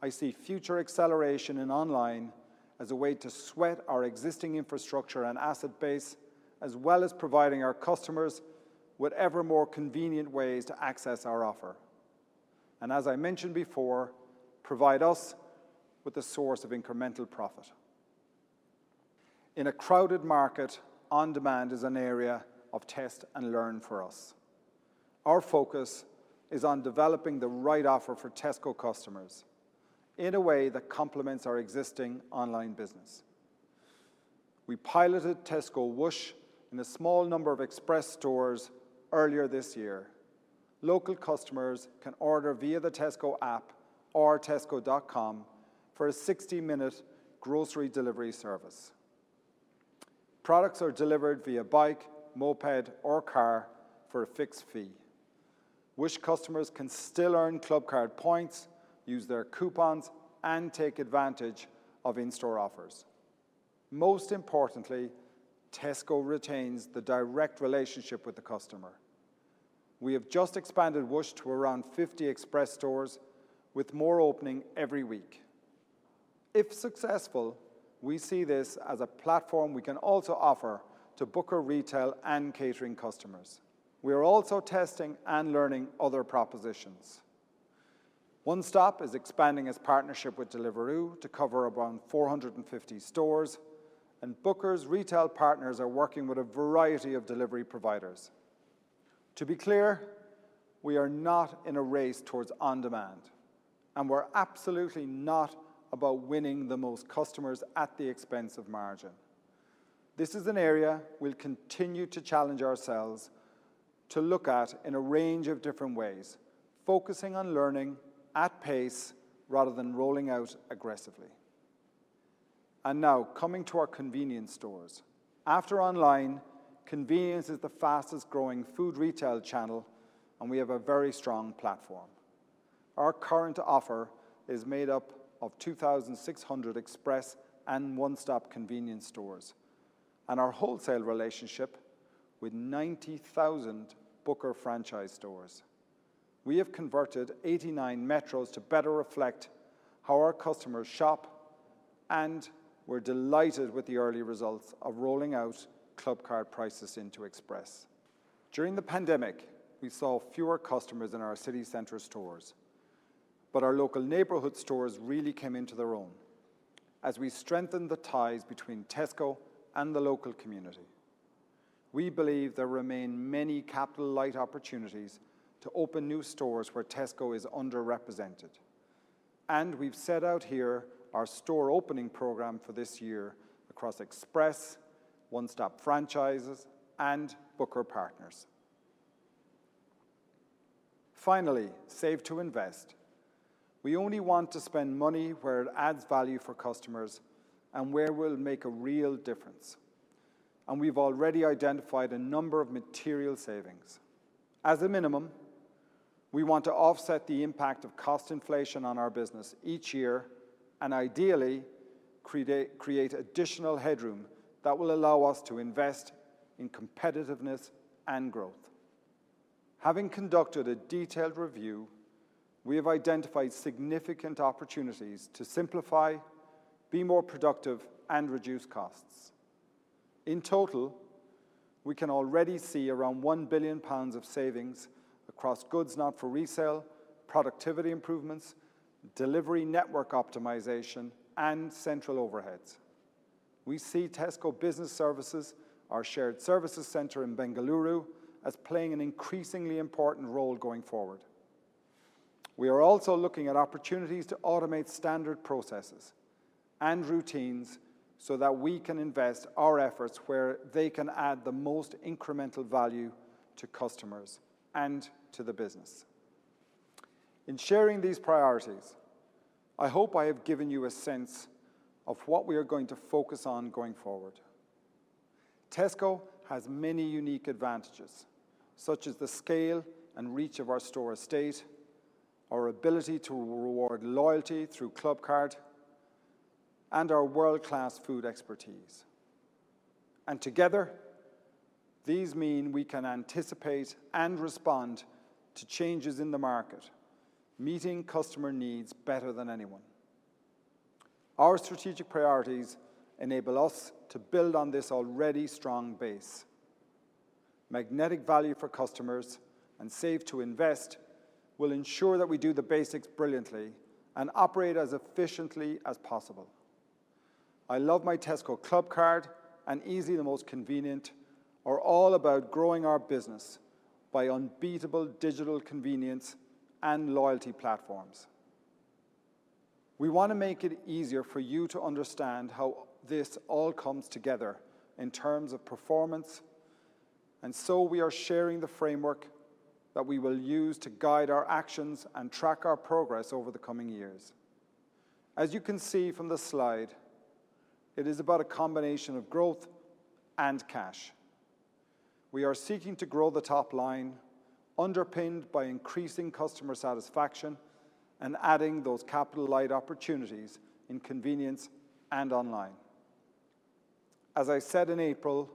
I see future acceleration in online as a way to sweat our existing infrastructure and asset base, as well as providing our customers with ever more convenient ways to access our offer, and as I mentioned before, provide us with a source of incremental profit. In a crowded market, on demand is an area of test and learn for us. Our focus is on developing the right offer for Tesco customers in a way that complements our existing online business. We piloted Tesco Whoosh in a small number of Express stores earlier this year. Local customers can order via the Tesco app or tesco.com for a 60-minute grocery delivery service. Products are delivered via bike, moped, or car for a fixed fee. Whoosh customers can still earn Clubcard points, use their coupons, and take advantage of in-store offers. Most importantly, Tesco retains the direct relationship with the customer. We have just expanded Whoosh to around 50 Express stores, with more opening every week. If successful, we see this as a platform we can also offer to Booker Retail and Catering customers. We are also testing and learning other propositions. One Stop is expanding its partnership with Deliveroo to cover around 450 stores, and Booker's retail partners are working with a variety of delivery providers. To be clear, we are not in a race towards on-demand, and we're absolutely not about winning the most customers at the expense of margin. This is an area we'll continue to challenge ourselves to look at in a range of different ways, focusing on learning at pace rather than rolling out aggressively. Now, coming to our convenience stores. After online, convenience is the fastest growing food retail channel, and we have a very strong platform. Our current offer is made up of 2,600 Express and One Stop convenience stores, and our wholesale relationship with 90,000 Booker franchise stores. We have converted 89 Metros to better reflect how our customers shop, and we're delighted with the early results of rolling out Clubcard Prices into Express. During the pandemic, we saw fewer customers in our city center stores, but our local neighborhood stores really came into their own as we strengthened the ties between Tesco and the local community. We believe there remain many capital-light opportunities to open new stores where Tesco is underrepresented, and we've set out here our store opening program for this year across Express, One Stop franchises, and Booker partners. Finally, save to invest. We only want to spend money where it adds value for customers and where it will make a real difference, and we've already identified a number of material savings. As a minimum, we want to offset the impact of cost inflation on our business each year and ideally create additional headroom that will allow us to invest in competitiveness and growth. Having conducted a detailed review, we have identified significant opportunities to simplify, be more productive, and reduce costs. In total, we can already see around 1 billion pounds of savings across goods not for resale, productivity improvements, delivery network optimization, and central overheads. We see Tesco Business Services, our shared services center in Bengaluru, as playing an increasingly important role going forward. We are also looking at opportunities to automate standard processes and routines so that we can invest our efforts where they can add the most incremental value to customers and to the business. In sharing these priorities, I hope I have given you a sense of what we are going to focus on going forward. Tesco has many unique advantages, such as the scale and reach of our store estate, our ability to reward loyalty through Clubcard, and our world-class food expertise. Together, these mean we can anticipate and respond to changes in the market, meeting customer needs better than anyone. Our strategic priorities enable us to build on this already strong base. Magnetic Value for Customers and Save to Invest will ensure that we do the basics brilliantly and operate as efficiently as possible. I Love My Tesco Clubcard and Easily the Most Convenient are all about growing our business by unbeatable digital convenience and loyalty platforms. We want to make it easier for you to understand how this all comes together in terms of performance. We are sharing the framework that we will use to guide our actions and track our progress over the coming years. As you can see from the slide, it is about a combination of growth and cash. We are seeking to grow the top line, underpinned by increasing customer satisfaction and adding those capital-light opportunities in convenience and online. As I said in April,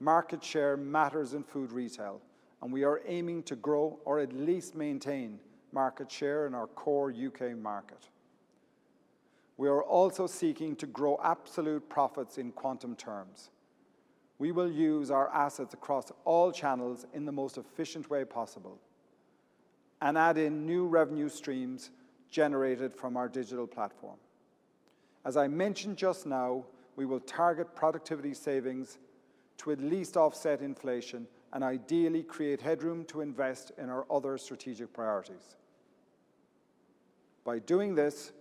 market share matters in food retail, and we are aiming to grow or at least maintain market share in our core U.K. market. We are also seeking to grow absolute profits in quantum terms. We will use our assets across all channels in the most efficient way possible and add in new revenue streams generated from our digital platform. As I mentioned just now, we will target productivity savings to at least offset inflation and ideally create headroom to invest in our other strategic priorities. By doing this,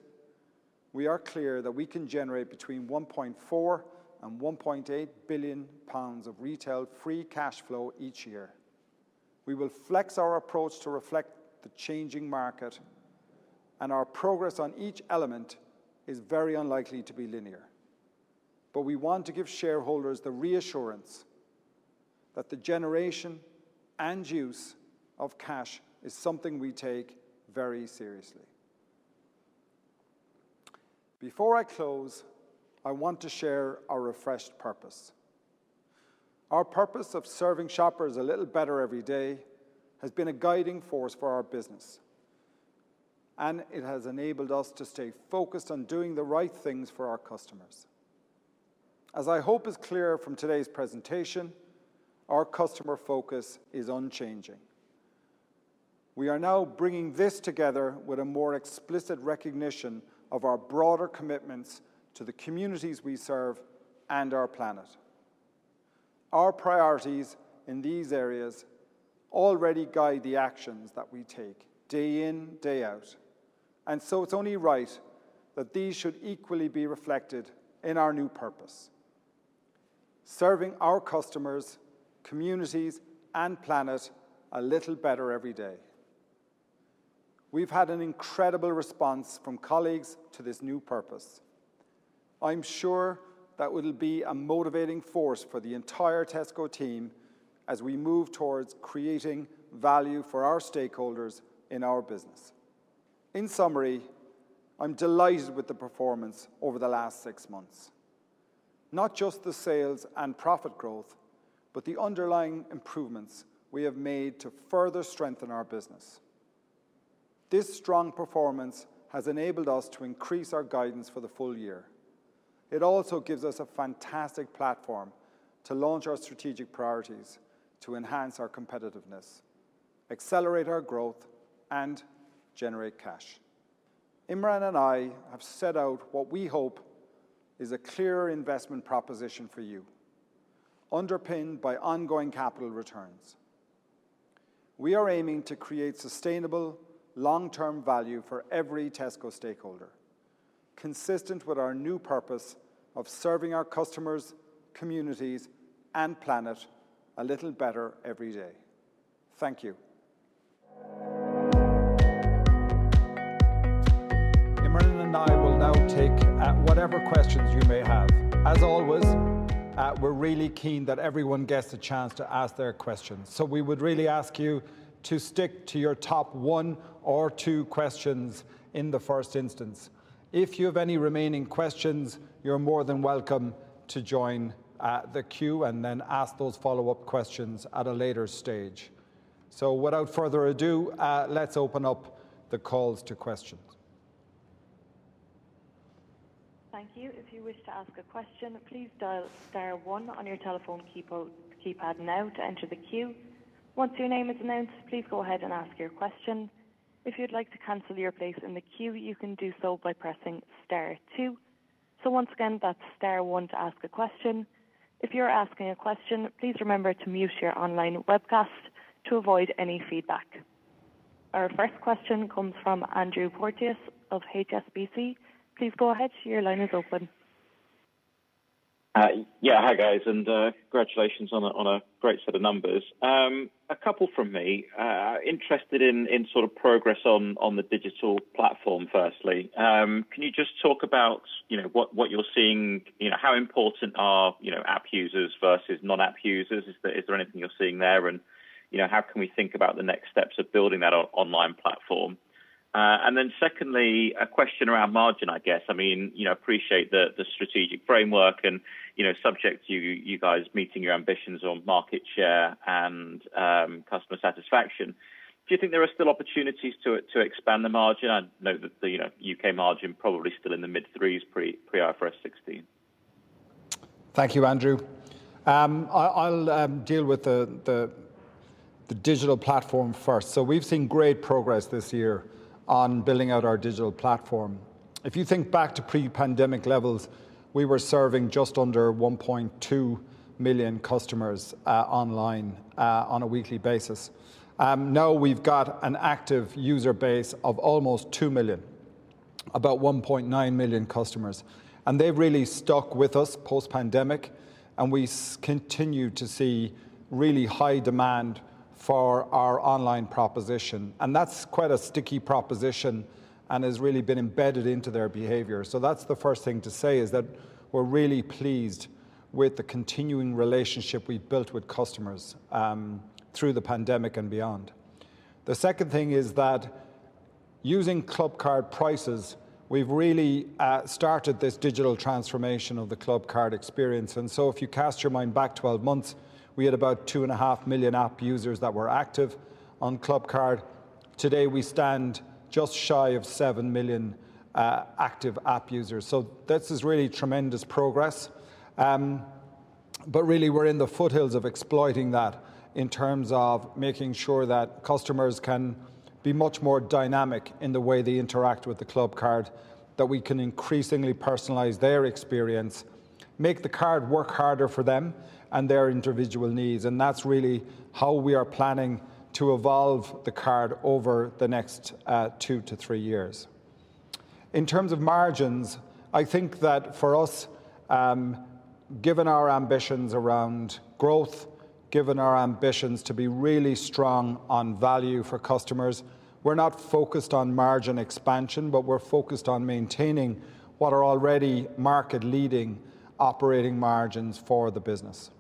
we are clear that we can generate between 1.4 billion and 1.8 billion pounds of retail free cash flow each year. We will flex our approach to reflect the changing market, and our progress on each element is very unlikely to be linear, but we want to give shareholders the reassurance that the generation and use of cash is something we take very seriously. Before I close, I want to share our refreshed purpose. Our purpose of serving shoppers a little better every day has been a guiding force for our business, and it has enabled us to stay focused on doing the right things for our customers. As I hope is clear from today's presentation, our customer focus is unchanging. We are now bringing this together with a more explicit recognition of our broader commitments to the communities we serve and our planet. Our priorities in these areas already guide the actions that we take day in, day out, and so it's only right that these should equally be reflected in our new purpose, serving our customers, communities, and planet a little better every day. We've had an incredible response from colleagues to this new purpose. I'm sure that will be a motivating force for the entire Tesco team as we move towards creating value for our stakeholders in our business. In summary, I'm delighted with the performance over the last six months, not just the sales and profit growth, but the underlying improvements we have made to further strengthen our business. This strong performance has enabled us to increase our guidance for the full year. It also gives us a fantastic platform to launch our strategic priorities to enhance our competitiveness, accelerate our growth, and generate cash. Imran and I have set out what we hope is a clear investment proposition for you, underpinned by ongoing capital returns. We are aiming to create sustainable, long-term value for every Tesco stakeholder, consistent with our new purpose of serving our customers, communities, and planet a little better every day. Thank you. Imran and I will now take whatever questions you may have. As always, we're really keen that everyone gets a chance to ask their questions. We would really ask you to stick to your top one or two questions in the first instance. If you have any remaining questions, you're more than welcome to join the queue and then ask those follow-up questions at a later stage. Without further ado, let's open up the calls to questions. Thank you. If you wish to ask a question please dial one on your telephone keypad now to enter the queue, once you name is named please go ahead and ask the question if you wish to cancel your place in the queue you can do so by pressing star two dial star one to ask your question. If your asking a voice question please remember to mute your online podcast to hold any feedback Our first question comes from Andrew Porteous of HSBC. Please go ahead. Your line is open. Hi, guys, congratulations on a great set of numbers. A couple from me. Interested in sort of progress on the digital platform, firstly. Can you just talk about what you're seeing? How important are app users versus non-app users? Is there anything you're seeing there? How can we think about the next steps of building that online platform? Secondly, a question around margin, I guess. I appreciate the strategic framework and subject to you guys meeting your ambitions on market share and customer satisfaction. Do you think there are still opportunities to expand the margin? I know that the U.K. margin probably still in the mid 3s% pre-IFRS 16. Thank you, Andrew. I'll deal with the digital platform first. We've seen great progress this year on building out our digital platform. If you think back to pre-pandemic levels, we were serving just under 1.2 million customers online on a weekly basis. Now we've got an active user base of almost two million, about 1.9 million customers, and they've really stuck with us post-pandemic, and we continue to see really high demand for our online proposition. That's quite a sticky proposition and has really been embedded into their behavior. That's the first thing to say, is that we're really pleased with the continuing relationship we've built with customers through the pandemic and beyond. The second thing is that using Clubcard Prices, we've really started this digital transformation of the Clubcard experience. If you cast your mind back 12 months, we had about 2.5 million app users that were active on Clubcard. Today, we stand just shy of seven million active app users. This is really tremendous progress. Really, we're in the foothills of exploiting that in terms of making sure that customers can be much more dynamic in the way they interact with the Clubcard, that we can increasingly personalize their experience, make the card work harder for them and their individual needs, and that's really how we are planning to evolve the card over the next two-three years. In terms of margins, I think that for us, given our ambitions around growth, given our ambitions to be really strong on value for customers, we're not focused on margin expansion, but we're focused on maintaining what are already market-leading operating margins for the business.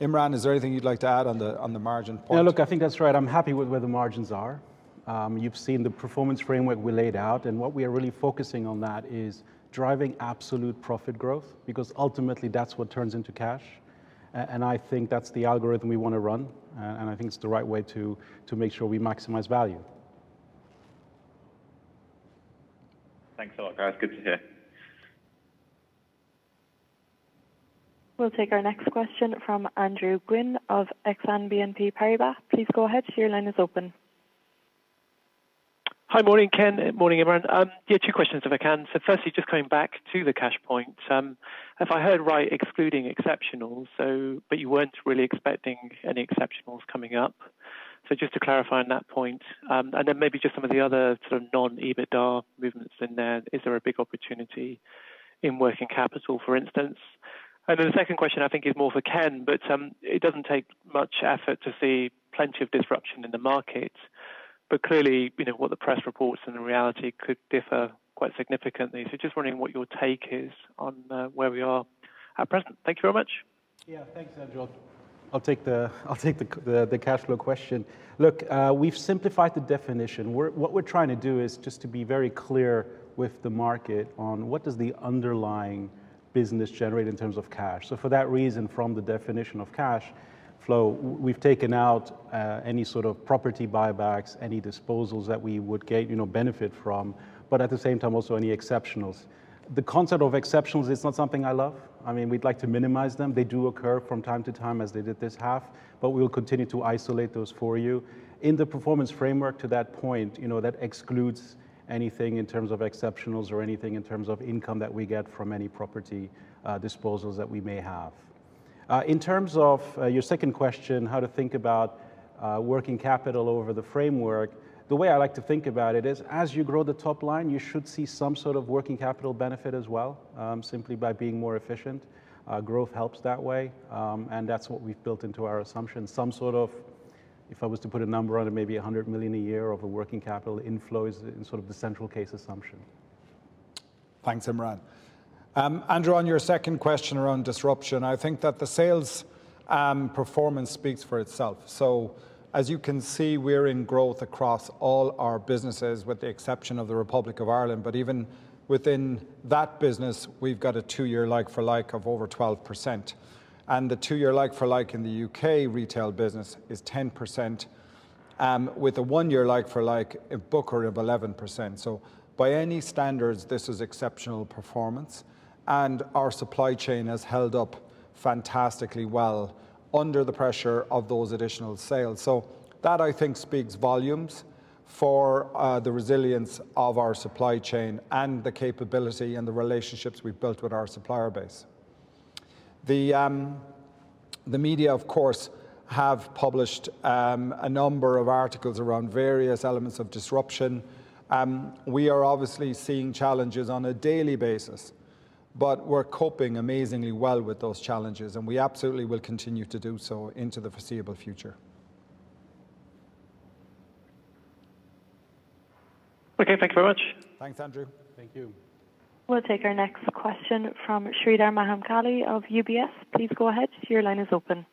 Imran, is there anything you'd like to add on the margin point? Yeah, look, I think that's right. I'm happy with where the margins are. You've seen the performance framework we laid out, and what we are really focusing on that is driving absolute profit growth, because ultimately that's what turns into cash, and I think that's the algorithm we want to run, and I think it's the right way to make sure we maximize value. Thanks a lot, guys. Good to hear We'll take our next question from Andrew Gwynn of Exane BNP Paribas. Please go ahead. Your line is open. Hi morning, Ken. Morning, Imran. Two questions if I can. Firstly, just coming back to the cash point. If I heard right, excluding exceptionals, but you weren't really expecting any exceptionals coming up. Just to clarify on that point, and then maybe just some of the other sort of non-EBITDA movements in there, is there a big opportunity in working capital, for instance? The second question I think is more for Ken, but it doesn't take much effort to see plenty of disruption in the market. Clearly, what the press reports and the reality could differ quite significantly. Just wondering what your take is on where we are at present. Thank you very much. Yeah, thanks, Andrew. I'll take the cash flow question. Look, we've simplified the definition. What we're trying to do is just to be very clear with the market on what does the underlying business generate in terms of cash. For that reason, from the definition of cash flow, we've taken out any sort of property buybacks, any disposals that we would benefit from, but at the same time, also any exceptionals. The concept of exceptionals is not something I love. We'd like to minimize them. They do occur from time to time as they did this half, but we will continue to isolate those for you. In the performance framework to that point, that excludes anything in terms of exceptionals or anything in terms of income that we get from any property disposals that we may have. In terms of your second question, how to think about working capital over the framework. The way I like to think about it is as you grow the top line, you should see some sort of working capital benefit as well, simply by being more efficient. Growth helps that way, and that's what we've built into our assumptions. Some sort of, if I was to put a number on it, maybe 100 million a year of a working capital inflow is sort of the central case assumption. Thanks, Imran. Andrew, on your second question around disruption, the sales performance speaks for itself. As you can see, we're in growth across all our businesses with the exception of the Republic of Ireland. Even within that business, we've got a two year like for like of over 12%. The two year like for like in the U.K. retail business is 10%, with a one year like for like Booker of 11%. By any standards, this is exceptional performance, and our supply chain has held up fantastically well under the pressure of those additional sales. That speaks volumes for the resilience of our supply chain and the capability and the relationships we've built with our supplier base. The media of course, have published a number of articles around various elements of disruption. We are obviously seeing challenges on a daily basis. We're coping amazingly well with those challenges and we absolutely will continue to do so into the foreseeable future. Okay, thank you very much. Thanks, Andrew. Thank you. We'll take our next question from Sreedhar Mahamkali of UBS. Please go ahead. Your line is open.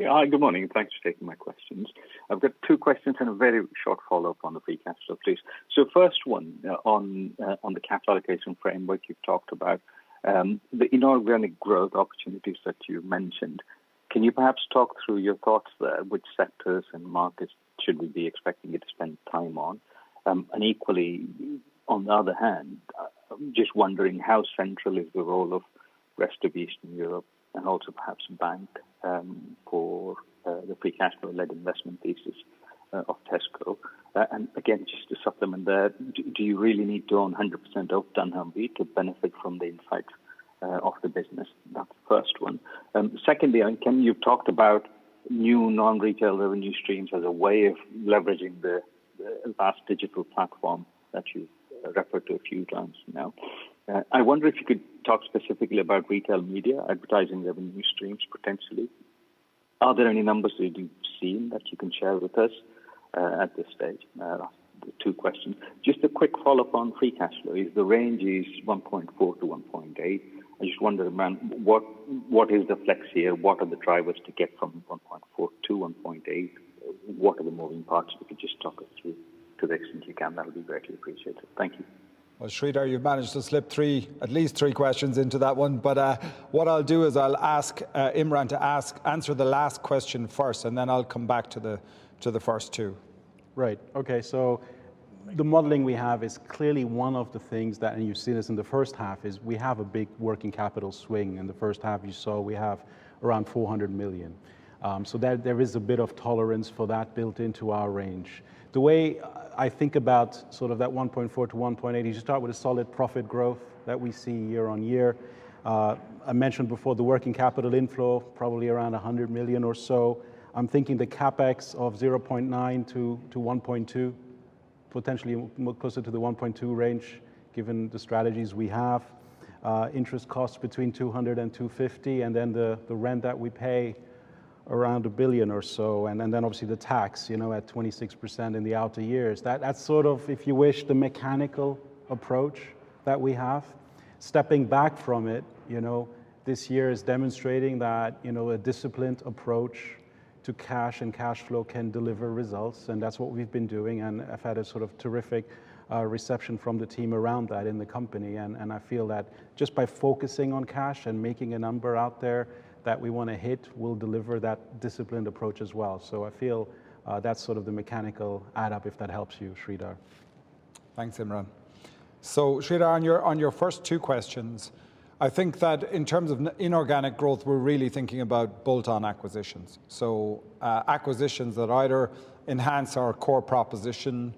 Hi. Good morning. Thanks for taking my questions. I've got two questions and a very short follow-up on the free cash flow, please. First one, on the capital allocation framework you've talked about. The inorganic growth opportunities that you mentioned. Can you perhaps talk through your thoughts there? Which sectors and markets should we be expecting you to spend time on? Equally, on the other hand, just wondering how central is the role of rest of East and Europe and also perhaps Tesco Bank, for the free cash flow led investment thesis of Tesco. Again, just to supplement there, do you really need to own 100% of dunnhumby to benefit from the insights of the business? That's the first one. Secondly, Ken, you've talked about new non-retail revenue streams as a way of leveraging the vast digital platform that you referred to a few times now. I wonder if you could talk specifically about retail media advertising revenue streams potentially. Are there any numbers that you've seen that you can share with us at this stage? Two questions. Just a quick follow-up on free cash flow. If the range is 1.4-1.8, I just wonder, man, what is the flex here? What are the drivers to get from 1.4-1.8? What are the moving parts? If you could just talk us through to the extent you can, that'll be greatly appreciated. Thank you. Well, Sreedhar, you've managed to slip at least three questions into that one. What I'll do is I'll ask Imran to answer the last question first, and then I'll come back to the first two. Right. Okay. The modeling we have is clearly one of the things that, and you've seen this in the first half, is we have a big working capital swing. In the first half, you saw we have around 400 million. There is a bit of tolerance for that built into our range. The way I think about sort of that 1.4 billion-1.8 billion, is you start with a solid profit growth that we see year on year. I mentioned before the working capital inflow, probably around 100 million or so. I'm thinking the CapEx of 0.9 billion-1.2 billion, potentially closer to the 1.2 billion range given the strategies we have. Interest costs between 200 million and 250 million, and then the rent that we pay around 1 billion or so, and then obviously the tax at 26% in the outer years. That's sort of, if you wish, the mechanical approach that we have. Stepping back from it, this year is demonstrating that a disciplined approach to cash and cash flow can deliver results, and that's what we've been doing and have had a sort of terrific reception from the team around that in the company. I feel that just by focusing on cash and making a number out there that we want to hit will deliver that disciplined approach as well. I feel that's sort of the mechanical add up if that helps you, Sreedhar. Thanks, Imran. Sreedhar, on your first two questions, I think that in terms of inorganic growth, we're really thinking about bolt-on acquisitions. Acquisitions that either enhance our core proposition,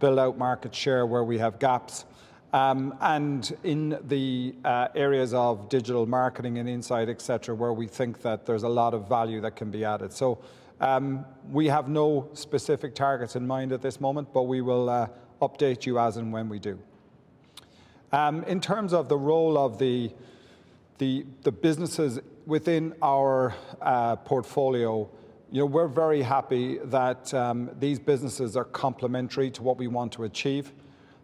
build out market share where we have gaps, and in the areas of digital marketing and insight, et cetera, where we think that there's a lot of value that can be added. We have no specific targets in mind at this moment, but we will update you as and when we do. In terms of the role of the businesses within our portfolio, we're very happy that these businesses are complementary to what we want to achieve.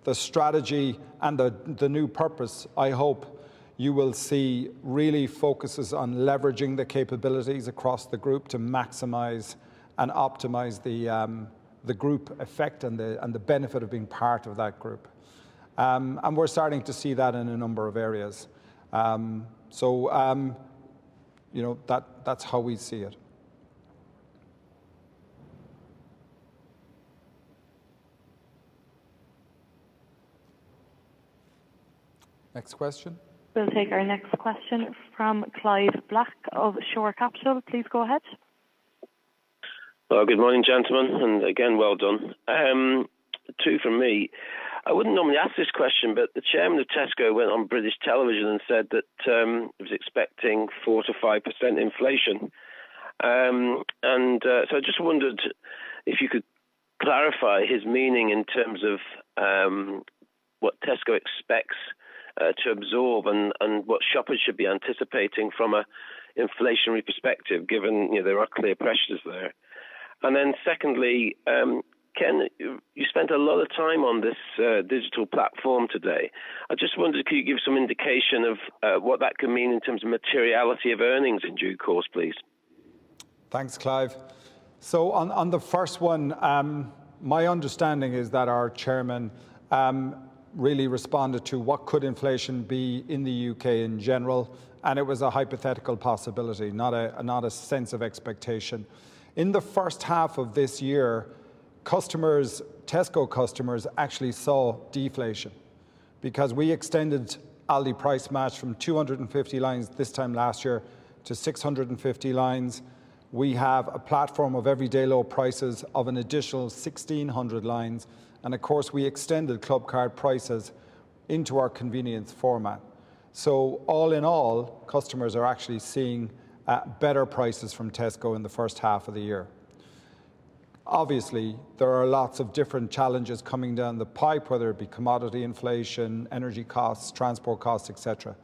The strategy and the new purpose, I hope you will see, really focuses on leveraging the capabilities across the group to maximize and optimize the group effect and the benefit of being part of that group. We're starting to see that in a number of areas. That's how we see it. N`ext question. We'll take our next question from Clive Black of Shore Capital. Please go ahead. Well, good morning, gentlemen. Again, well done. Two from me. I wouldn't normally ask this question, the chairman of Tesco went on U.K. television and said that he was expecting 4%-5% inflation. I just wondered if you could clarify his meaning in terms of what Tesco expects to absorb and what shoppers should be anticipating from an inflationary perspective, given there are clear pressures there. Secondly, Ken, you spent a lot of time on this digital platform today. I just wondered, can you give some indication of what that could mean in terms of materiality of earnings in due course, please? Thanks, Clive. On the first one, my understanding is that our chairman really responded to what could inflation be in the U.K. in general, and it was a hypothetical possibility, not a sense of expectation. In the first half of this year, Tesco customers actually saw deflation because we extended all the Price Match from 250 lines this time last year to 650 lines. We have a platform of everyday low prices of an additional 1,600 lines. Of course, we extended Clubcard Prices into our convenience format. All in all, customers are actually seeing better prices from Tesco in the first half of the year. Obviously, there are lots of different challenges coming down the pipe, whether it be commodity inflation, energy costs, transport costs, et cetera.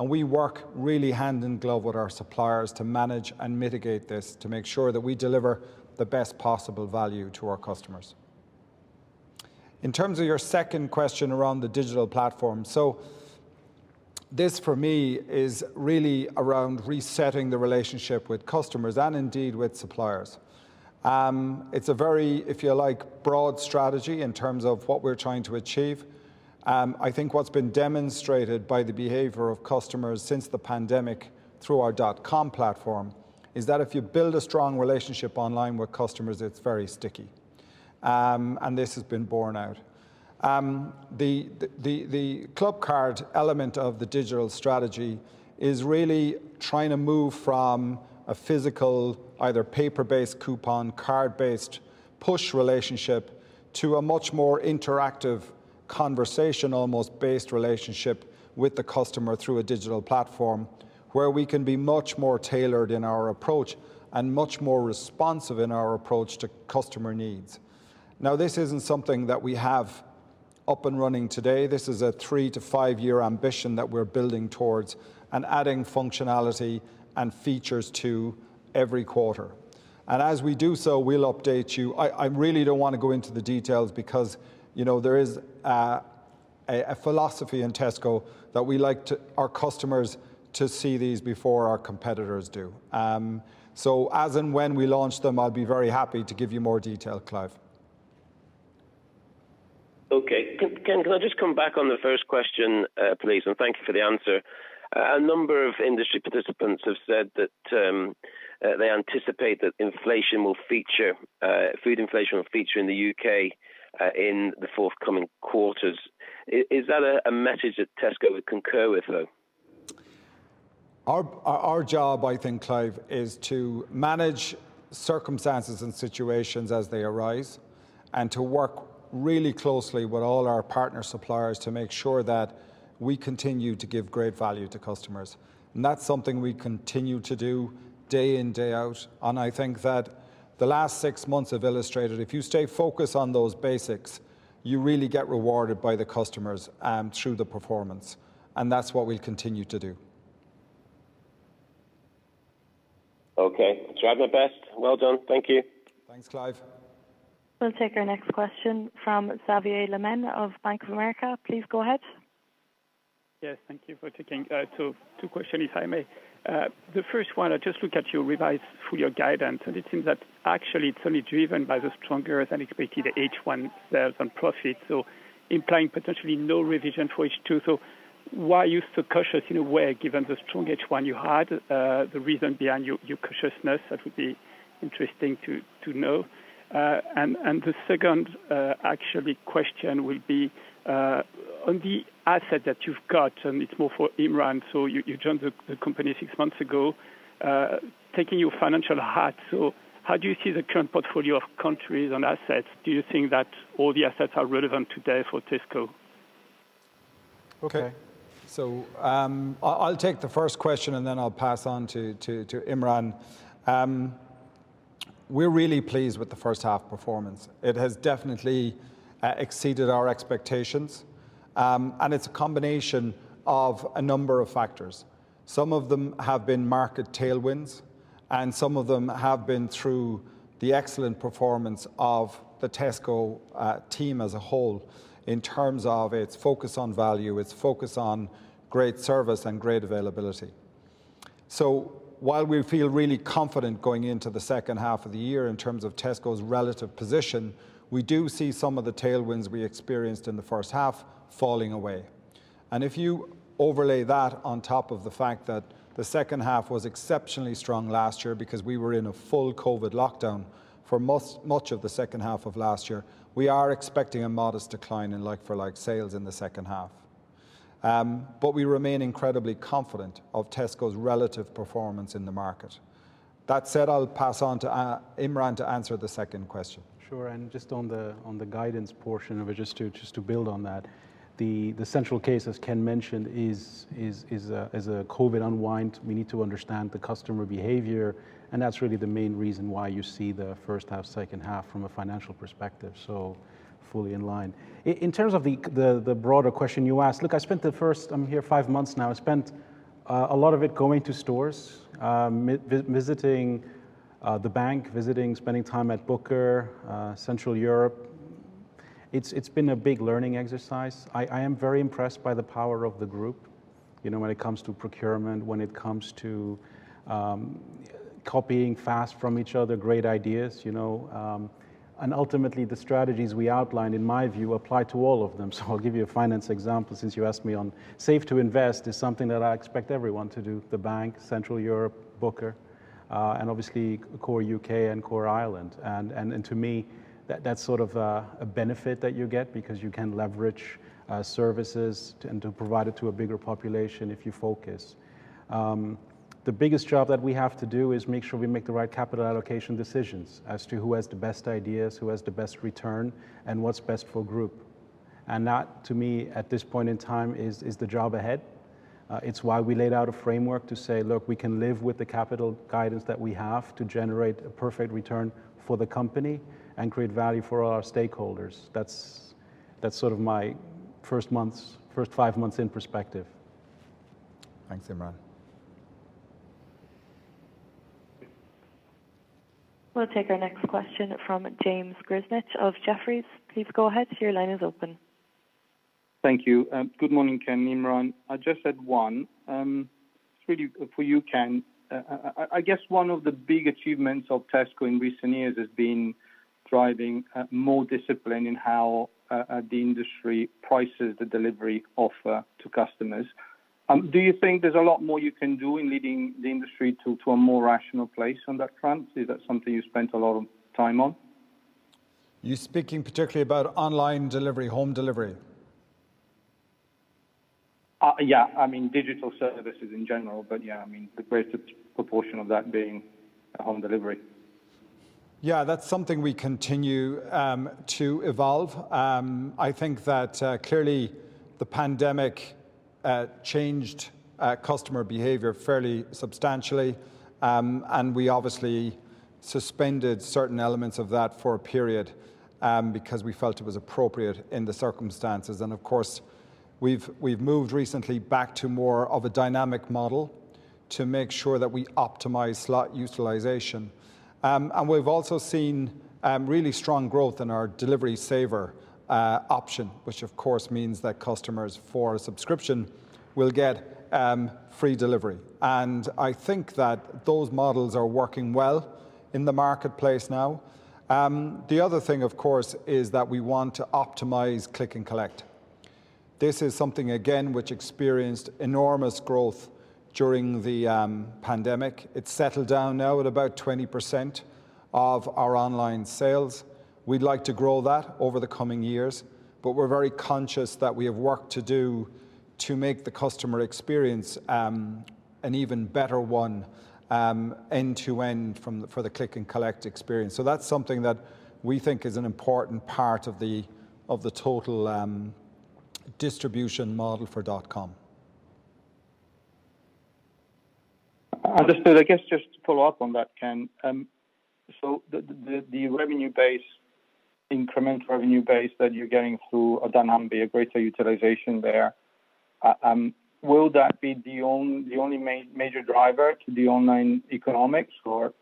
We work really hand in glove with our suppliers to manage and mitigate this to make sure that we deliver the best possible value to our customers. In terms of your second question around the digital platform. This for me is really around resetting the relationship with customers and indeed with suppliers. It's a very, if you like, broad strategy in terms of what we're trying to achieve. I think what's been demonstrated by the behavior of customers since the pandemic through our .com platform is that if you build a strong relationship online with customers, it's very sticky. This has been borne out. The Clubcard element of the digital strategy is really trying to move from a physical, either paper-based coupon, card-based push relationship to a much more interactive conversation almost based relationship with the customer through a digital platform where we can be much more tailored in our approach and much more responsive in our approach to customer needs. Now, this isn't something that we have up and running today. This is a three to five-year ambition that we're building towards and adding functionality and features to every quarter. As we do so, we'll update you. I really don't want to go into the details because there is a philosophy in Tesco that we like our customers to see these before our competitors do. As and when we launch them, I'll be very happy to give you more detail, Clive. Okay. Ken, can I just come back on the first question, please? Thank you for the answer. A number of industry participants have said that they anticipate that food inflation will feature in the U.K. in the forthcoming quarters. Is that a message that Tesco would concur with, though? Our job, I think, Clive, is to manage circumstances and situations as they arise and to work really closely with all our partner suppliers to make sure that we continue to give great value to customers. That's something we continue to do day in, day out. I think that the last six months have illustrated, if you stay focused on those basics, you really get rewarded by the customers through the performance. That's what we'll continue to do. Okay. Drive the best. Well done. Thank you. Thanks, Clive. We'll take our next question from Xavier Le Mené of Bank of America. Please go ahead. Yes, thank you for taking. Two questions, if I may. The first one, I just look at your revised full-year guidance, and it seems that actually it's only driven by the stronger than expected H1 sales and profit, implying potentially no revision for H2. Why are you so cautious in a way, given the strong H1 you had, the reason behind your cautiousness, that would be interesting to know? The second question will be on the asset that you've got, and it's more for Imran, you joined the company six months ago. Taking your financial hat, how do you see the current portfolio of countries and assets? Do you think that all the assets are relevant today for Tesco? Okay. I'll take the first question and then I'll pass on to Imran. We're really pleased with the first half performance. It has definitely exceeded our expectations. It's a combination of a number of factors. Some of them have been market tailwinds, and some of them have been through the excellent performance of the Tesco team as a whole in terms of its focus on value, its focus on great service and great availability. While we feel really confident going into the second half of the year in terms of Tesco's relative position, we do see some of the tailwinds we experienced in the first half falling away. If you overlay that on top of the fact that the second half was exceptionally strong last year because we were in a full COVID lockdown for much of the second half of last year, we are expecting a modest decline in like for like sales in the second half. We remain incredibly confident of Tesco's relative performance in the market. That said, I'll pass on to Imran to answer the second question. Sure. Just on the guidance portion of it, just to build on that, the central case, as Ken mentioned, is a COVID unwind. We need to understand the customer behavior, and that's really the main reason why you see the first half, second half from a financial perspective. Fully in line. In terms of the broader question you asked, look, I spent the first, I'm here five months now. I spent a lot of it going to stores, visiting the bank, spending time at Booker, Central Europe. It's been a big learning exercise. I am very impressed by the power of the group, when it comes to procurement, when it comes to copying fast from each other, great ideas. Ultimately, the strategies we outline, in my view, apply to all of them. I'll give you a finance example since you asked me on safe to invest is something that I expect everyone to do, the bank, Central Europe, Booker, and obviously core U.K. and core Ireland. To me, that's sort of a benefit that you get because you can leverage services and to provide it to a bigger population if you focus. The biggest job that we have to do is make sure we make the right capital allocation decisions as to who has the best ideas, who has the best return, and what's best for group. That, to me, at this point in time, is the job ahead. It's why we laid out a framework to say, look, we can live with the capital guidance that we have to generate a perfect return for the company and create value for our stakeholders. That's sort of my first five months in perspective. Thanks, Imran. We'll take our next question from James Grzinic of Jefferies. Please go ahead. Your line is open. Thank you. Good morning, Ken, Imran. I just had one. It's really for you, Ken. I guess one of the big achievements of Tesco in recent years has been driving more discipline in how the industry prices the delivery offer to customers. Do you think there's a lot more you can do in leading the industry to a more rational place on that front? Is that something you spent a lot of time on? You're speaking particularly about online delivery, home delivery? Yeah. I mean, digital services in general, but yeah, the greatest proportion of that being home delivery. Yeah, that's something we continue to evolve. I think that clearly the pandemic changed customer behavior fairly substantially, and we obviously suspended certain elements of that for a period, because we felt it was appropriate in the circumstances. Of course, we've moved recently back to more of a dynamic model to make sure that we optimize slot utilization. We've also seen really strong growth in our Delivery Saver option, which of course means that customers for a subscription will get free delivery. I think that those models are working well in the marketplace now. The other thing, of course, is that we want to optimize Click+Collect. This is something, again, which experienced enormous growth during the pandemic. It's settled down now at about 20% of our online sales. We'd like to grow that over the coming years, we're very conscious that we have work to do to make the customer experience an even better one, end to end, for the Click+Collect experience. That's something that we think is an important part of the total distribution model for .com. Understood. I guess just to follow up on that, Ken. The revenue base, incremental revenue base that you're getting through a dynamic, a greater utilization there, will that be the only major driver to the online economics? Or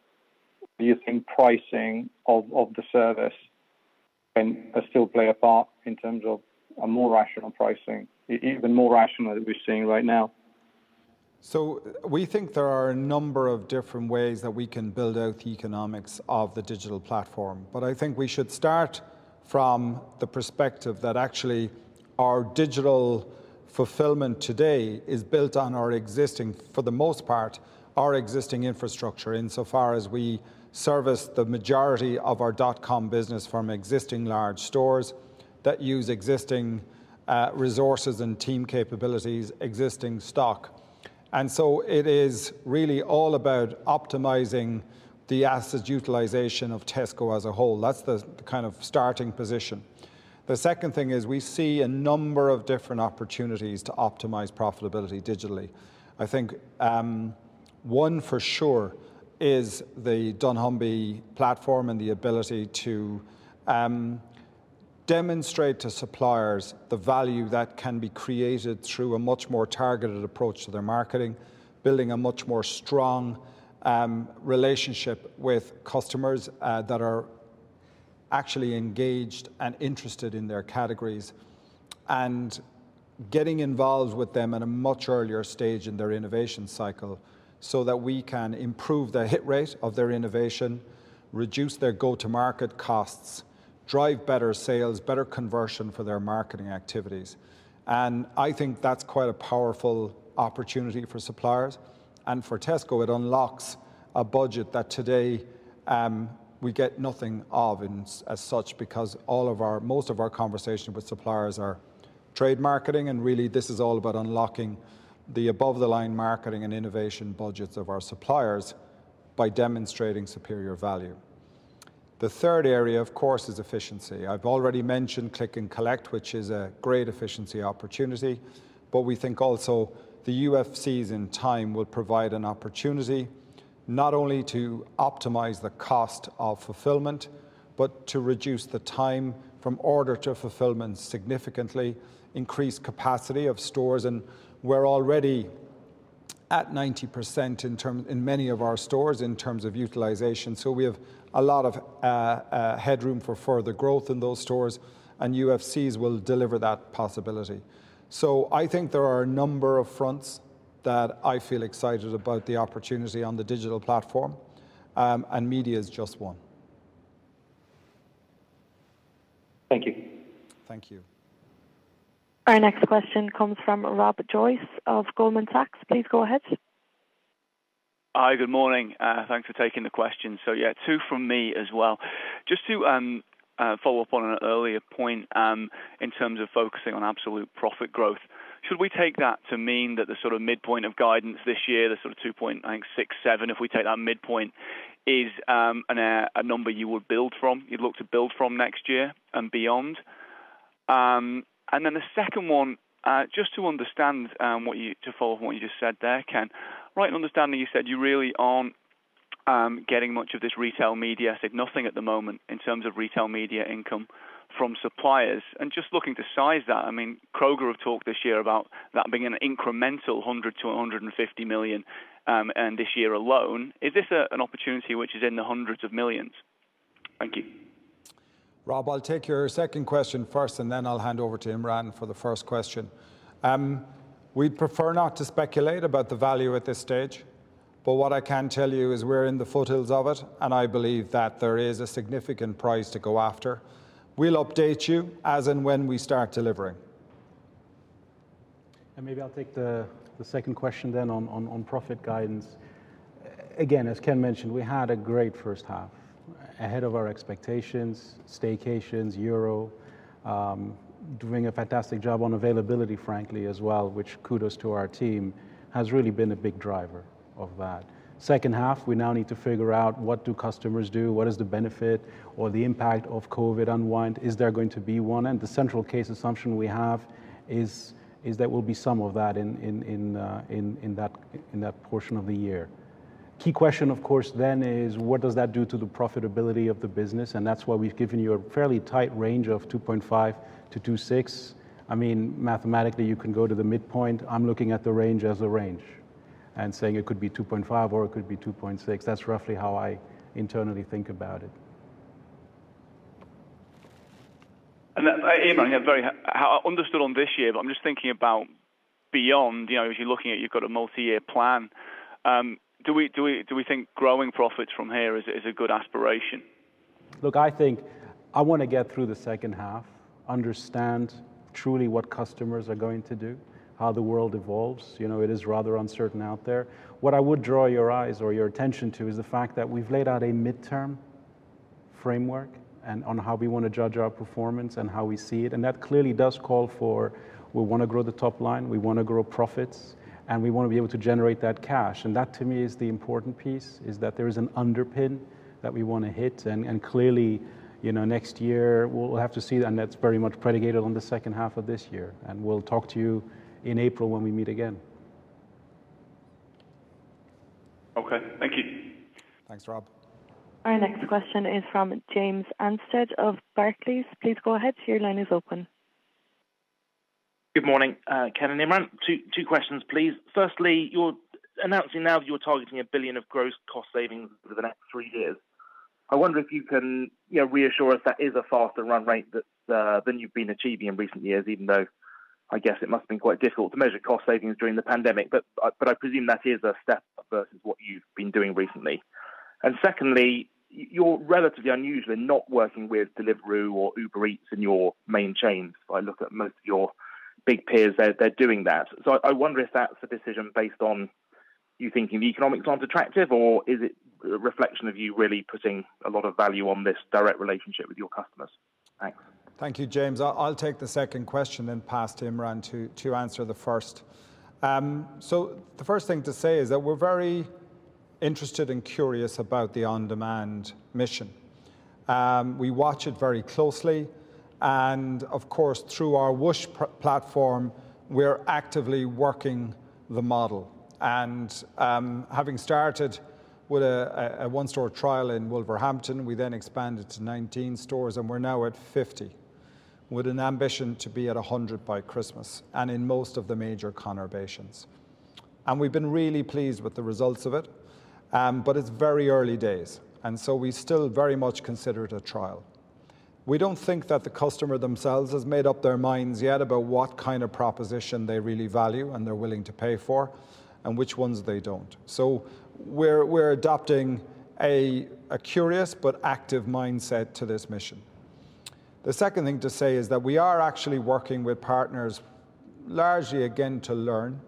do you think pricing of the service can still play a part in terms of a more rational pricing, even more rational than we're seeing right now? We think there are a number of different ways that we can build out the economics of the digital platform. I think we should start from the perspective that actually our digital fulfillment today is built on, for the most part, our existing infrastructure, in so far as we service the majority of our dotcom business from existing large stores that use existing resources and team capabilities, existing stock. It is really all about optimizing the asset utilization of Tesco as a whole. That's the kind of starting position. The second thing is we see a number of different opportunities to optimize profitability digitally. I think one for sure is the dunnhumby platform and the ability to demonstrate to suppliers the value that can be created through a much more targeted approach to their marketing, building a much more strong relationship with customers that are actually engaged and interested in their categories, and getting involved with them at a much earlier stage in their innovation cycle, so that we can improve the hit rate of their innovation, reduce their go-to-market costs, drive better sales, better conversion for their marketing activities. I think that's quite a powerful opportunity for suppliers. For Tesco, it unlocks a budget that today we get nothing of, and as such, because most of our conversations with suppliers are trade marketing, and really this is all about unlocking the above-the-line marketing and innovation budgets of our suppliers by demonstrating superior value. The third area, of course, is efficiency. I've already mentioned Click+Collect, which is a great efficiency opportunity. We think also the UFCs in time will provide an opportunity not only to optimize the cost of fulfillment, but to reduce the time from order to fulfillment significantly, increase capacity of stores, and we're already at 90% in many of our stores in terms of utilization. I have a lot of headroom for further growth in those stores, and UFCs will deliver that possibility. I think there are a number of fronts that I feel excited about the opportunity on the digital platform, and media is just one. Thank you. Thank you. Our next question comes from Rob Joyce of Goldman Sachs. Please go ahead. Hi. Good morning. Thanks for taking the question. Yeah, two from me as well. Just to follow up on an earlier point in terms of focusing on absolute profit growth, should we take that to mean that the sort of midpoint of guidance this year, the sort of 2.67, if we take that midpoint, is a number you'd look to build from next year and beyond? Then the second one, just to follow up on what you just said there, Ken Murphy. Right in understanding you said you really aren't getting much of this retail media, I think nothing at the moment in terms of retail media income from suppliers. Just looking to size that, Kroger have talked this year about that being an incremental 100 million-150 million this year alone. Is this an opportunity which is in the hundreds of millions? Thank you. Rob, I'll take your second question first, and then I'll hand over to Imran for the first question. We'd prefer not to speculate about the value at this stage, but what I can tell you is we're in the foothills of it, and I believe that there is a significant prize to go after. We'll update you as and when we start delivering. Maybe I'll take the second question then on profit guidance. Again, as Ken mentioned, we had a great first half. Ahead of our expectations, staycations, Euro 2020, doing a fantastic job on availability, frankly, as well, which kudos to our team, has really been a big driver of that. Second half, we now need to figure out what do customers do? What is the benefit or the impact of COVID unwind? Is there going to be one? The central case assumption we have is there will be some of that in that portion of the year. Key question, of course, then is what does that do to the profitability of the business? That's why we've given you a fairly tight range of 2.5-2.6. Mathematically, you can go to the midpoint. I'm looking at the range as a range and saying it could be 2.5 or it could be 2.6. That's roughly how I internally think about it. Imran, understood on this year, but I'm just thinking about beyond, as you're looking at, you've got a multi-year plan. Do we think growing profits from here is a good aspiration? Look, I think I want to get through the second half, understand truly what customers are going to do, how the world evolves. It is rather uncertain out there. What I would draw your eyes or your attention to is the fact that we've laid out a midterm framework on how we want to judge our performance and how we see it, and that clearly does call for we want to grow the top line, we want to grow profits, and we want to be able to generate that cash. That to me is the important piece, is that there is an underpin that we want to hit. Clearly, next year we'll have to see, and that's very much predicated on the second half of this year, and we'll talk to you in April when we meet again. Okay. Thank you. Thanks, Rob. Our next question is from James Anstead of Barclays. Please go ahead. Your line is open. Good morning, Ken and Imran. Two questions, please. You're announcing now that you're targeting 1 billion of gross cost savings over the next three years. I wonder if you can reassure us that is a faster run rate than you've been achieving in recent years, even though, I guess it must have been quite difficult to measure cost savings during the pandemic. I presume that is a step up versus what you've been doing recently. Secondly, you're relatively unusually not working with Deliveroo or Uber Eats in your main chains. If I look at most of your big peers, they're doing that. I wonder if that's a decision based on you thinking the economics aren't attractive, or is it a reflection of you really putting a lot of value on this direct relationship with your customers? Thanks. Thank you, James. I'll take the second question, then pass to Imran to answer the first. The first thing to say is that we're very interested and curious about the on-demand mission. We watch it very closely and, of course, through our Whoosh platform, we're actively working the model. Having started with a one-store trial in Wolverhampton, we then expanded to 19 stores, and we're now at 50, with an ambition to be at 100 by Christmas, and in most of the major conurbations. We've been really pleased with the results of it. It's very early days, and so we still very much consider it a trial. We don't think that the customer themselves has made up their minds yet about what kind of proposition they really value and they're willing to pay for, and which ones they don't. We're adopting a curious but active mindset to this mission. The second thing to say is that we are actually working with partners largely, again, to learn.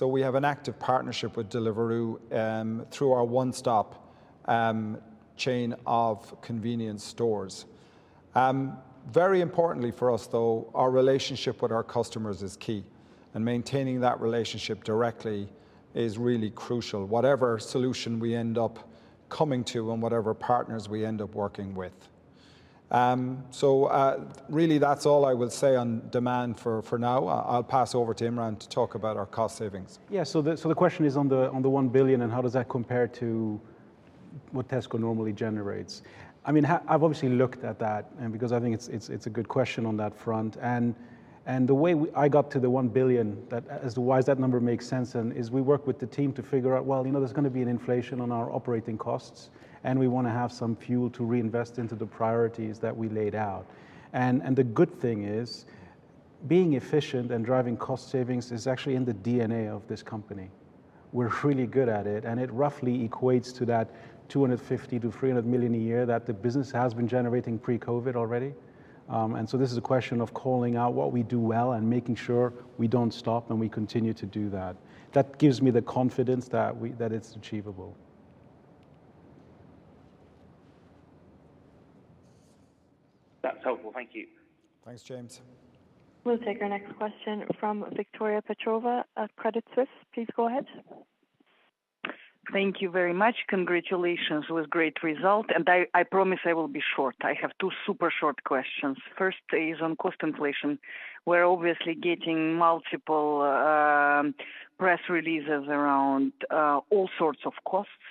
We have an active partnership with Deliveroo through our One Stop chain of convenience stores. Very importantly for us, though, our relationship with our customers is key, and maintaining that relationship directly is really crucial, whatever solution we end up coming to and whatever partners we end up working with. Really that's all I will say on demand for now. I'll pass over to Imran to talk about our cost savings. The question is on the 1 billion, how does that compare to what Tesco normally generates? I've obviously looked at that. I think it's a good question on that front. The way I got to the 1 billion, as to why that number makes sense, is we worked with the team to figure out, well, there's going to be an inflation on our operating costs, we want to have some fuel to reinvest into the priorities that we laid out. The good thing is, being efficient and driving cost savings is actually in the DNA of this company. We're really good at it. It roughly equates to that 250 million-300 million a year that the business has been generating pre-COVID already. This is a question of calling out what we do well and making sure we don't stop and we continue to do that. That gives me the confidence that it's achievable. That's helpful. Thank you. Thanks, James. We'll take our next question from Victoria Petrova of Credit Suisse. Please go ahead. Thank you very much. Congratulations. It was great result. I promise I will be short. I have two super short questions. First is on cost inflation. We are obviously getting multiple press releases around all sorts of costs.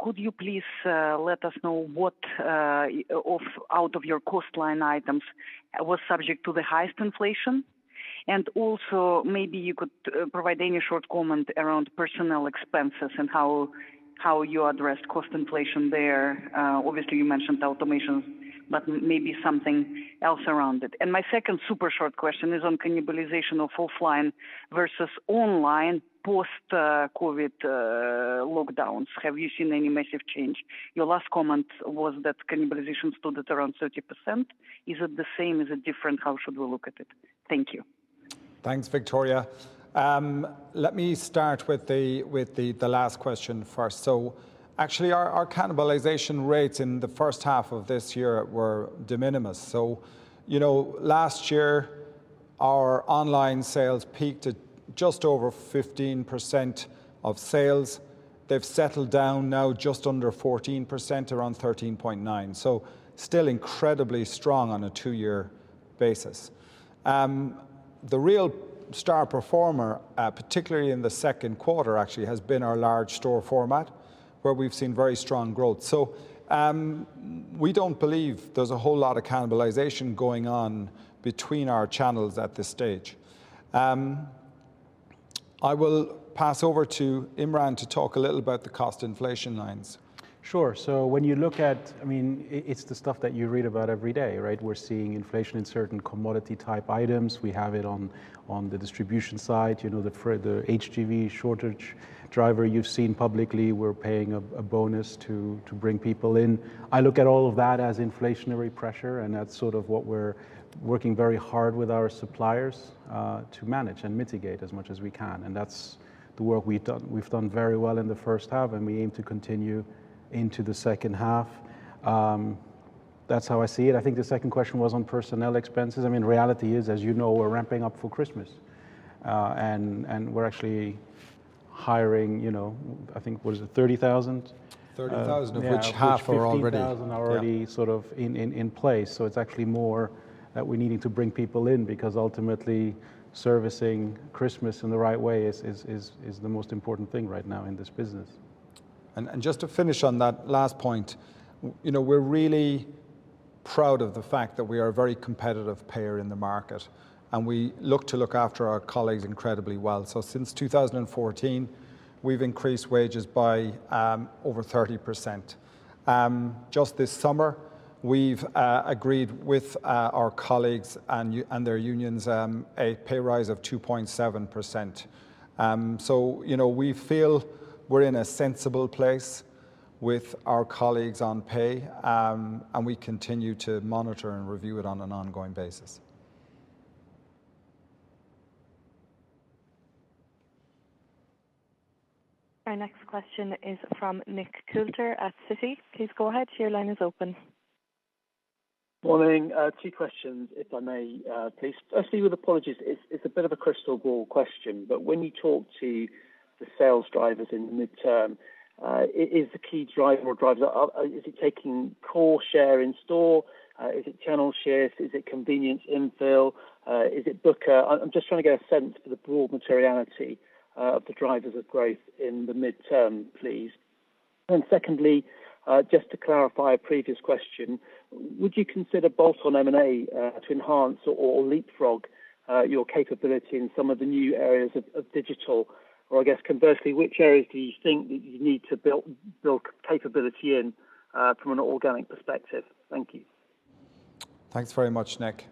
Could you please let us know what out of your cost line items was subject to the highest inflation? Also, maybe you could provide any short comment around personnel expenses and how you address cost inflation there. Obviously, you mentioned automation, but maybe something else around it. My second super short question is on cannibalization of offline versus online post-COVID lockdowns. Have you seen any massive change? Your last comment was that cannibalization stood at around 30%. Is it the same? Is it different? How should we look at it? Thank you. Thanks, Victoria. Let me start with the last question first. Actually, our cannibalization rates in the first half of this year were de minimis. Last year, our online sales peaked at just over 15% of sales. They've settled down now just under 14%, around 13.9%. Still incredibly strong on a two-year basis. The real star performer, particularly in the second quarter actually, has been our large store format, where we've seen very strong growth. We don't believe there's a whole lot of cannibalization going on between our channels at this stage. I will pass over to Imran to talk a little about the cost inflation lines. Sure. When you look at, it's the stuff that you read about every day, right? We're seeing inflation in certain commodity type items. We have it on the distribution side. For the HGV shortage driver you've seen publicly, we're paying a bonus to bring people in. I look at all of that as inflationary pressure, and that's sort of what we're working very hard with our suppliers to manage and mitigate as much as we can. That's the work we've done. We've done very well in the first half, and we aim to continue into the second half. That's how I see it. I think the second question was on personnel expenses. Reality is, as you know, we're ramping up for Christmas. We're actually hiring, I think, what is it, 30,000? 30,000 of which half are already. Yeah. 15,000 are already sort of in place. It's actually more that we're needing to bring people in because ultimately servicing Christmas in the right way is the most important thing right now in this business. Just to finish on that last point, we're really proud of the fact that we are a very competitive payer in the market, and we look to look after our colleagues incredibly well. Since 2014, we've increased wages by over 30%. Just this summer, we've agreed with our colleagues and their unions a pay rise of 2.7%. We feel we're in a sensible place with our colleagues on pay, and we continue to monitor and review it on an ongoing basis. Our next question is from Nick Coulter at Citi. Please go ahead. Your line is open. Morning. Two questions, if I may please. Firstly, with apologies, it's a bit of a crystal ball question. When you talk to the sales drivers in the midterm, is the key driver or drivers, is it taking core share in store? Is it channel shares? Is it convenience infill? Is it Booker? I'm just trying to get a sense for the broad materiality of the drivers of growth in the midterm, please. Secondly, just to clarify a previous question, would you consider bolt-on M&A to enhance or leapfrog your capability in some of the new areas of digital? I guess conversely, which areas do you think that you need to build capability in from an organic perspective? Thank you. Thanks very much, Nick.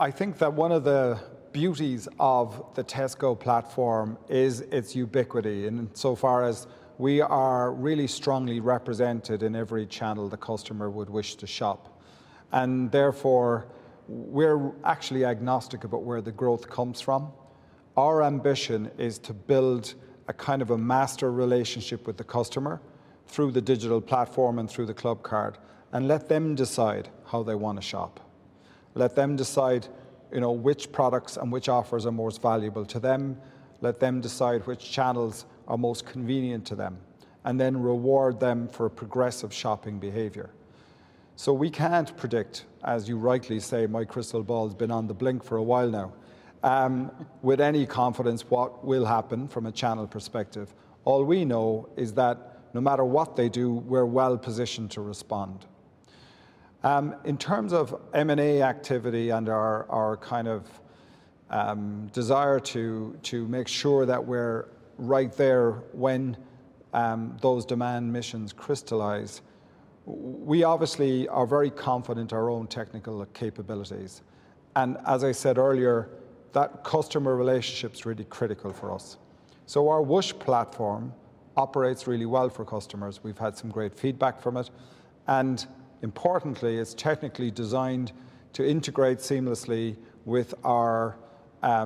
I think that one of the beauties of the Tesco platform is its ubiquity, and insofar as we are really strongly represented in every channel the customer would wish to shop. Therefore, we're actually agnostic about where the growth comes from. Our ambition is to build a master relationship with the customer through the digital platform and through the Clubcard. Let them decide how they want to shop. Let them decide which products and which offers are most valuable to them. Let them decide which channels are most convenient to them. Then reward them for progressive shopping behavior. We can't predict, as you rightly say, my crystal ball's been on the blink for a while now, with any confidence what will happen from a channel perspective. All we know is that no matter what they do, we're well positioned to respond. In terms of M&A activity and our desire to make sure that we're right there when those demand missions crystallize, we obviously are very confident in our own technical capabilities. As I said earlier, that customer relationship's really critical for us. Our Whoosh platform operates really well for customers. We've had some great feedback from it, importantly, it's technically designed to integrate seamlessly with our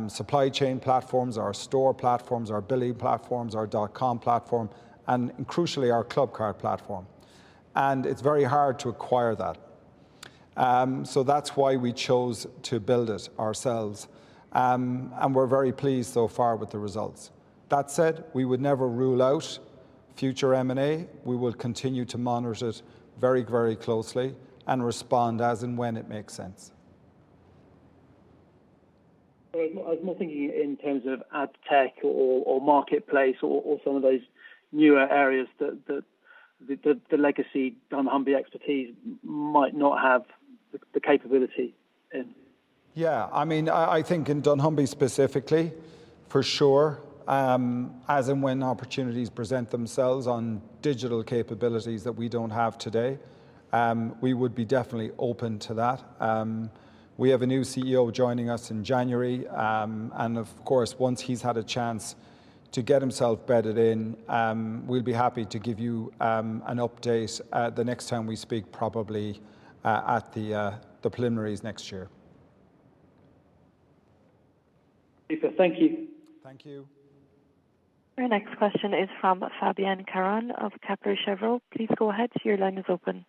supply chain platforms, our store platforms, our billing platforms, our dotcom platform, and crucially, our Clubcard platform. It's very hard to acquire that. That's why we chose to build it ourselves. We're very pleased so far with the results. That said, we would never rule out future M&A. We will continue to monitor it very closely and respond as and when it makes sense. I was more thinking in terms of ad tech or marketplace or some of those newer areas that the legacy dunnhumby expertise might not have the capability in. Yeah. I think in dunnhumby specifically, for sure, as and when opportunities present themselves on digital capabilities that we don't have today, we would be definitely open to that. We have a new CEO joining us in January, of course, once he's had a chance to get himself bedded in, we'll be happy to give you an update the next time we speak probably at the preliminaries next year. Super. Thank you. Thank you. Our next question is from Fabienne Caron of Kepler Cheuvreux. Please go ahead. Your line is open.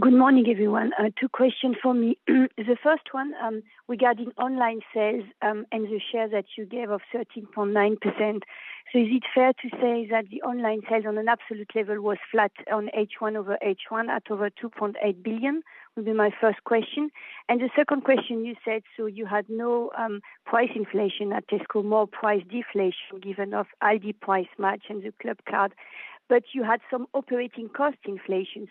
Good morning, everyone. Two questions from me. The first one regarding online sales and the share that you gave of 13.9%. Is it fair to say that the online sales on an absolute level was flat on H1 over H1 at over 2.8 billion? Would be my first question. The second question, you said you had no price inflation at Tesco, more price deflation given Aldi Price Match and the Clubcard, but you had some operating cost inflation.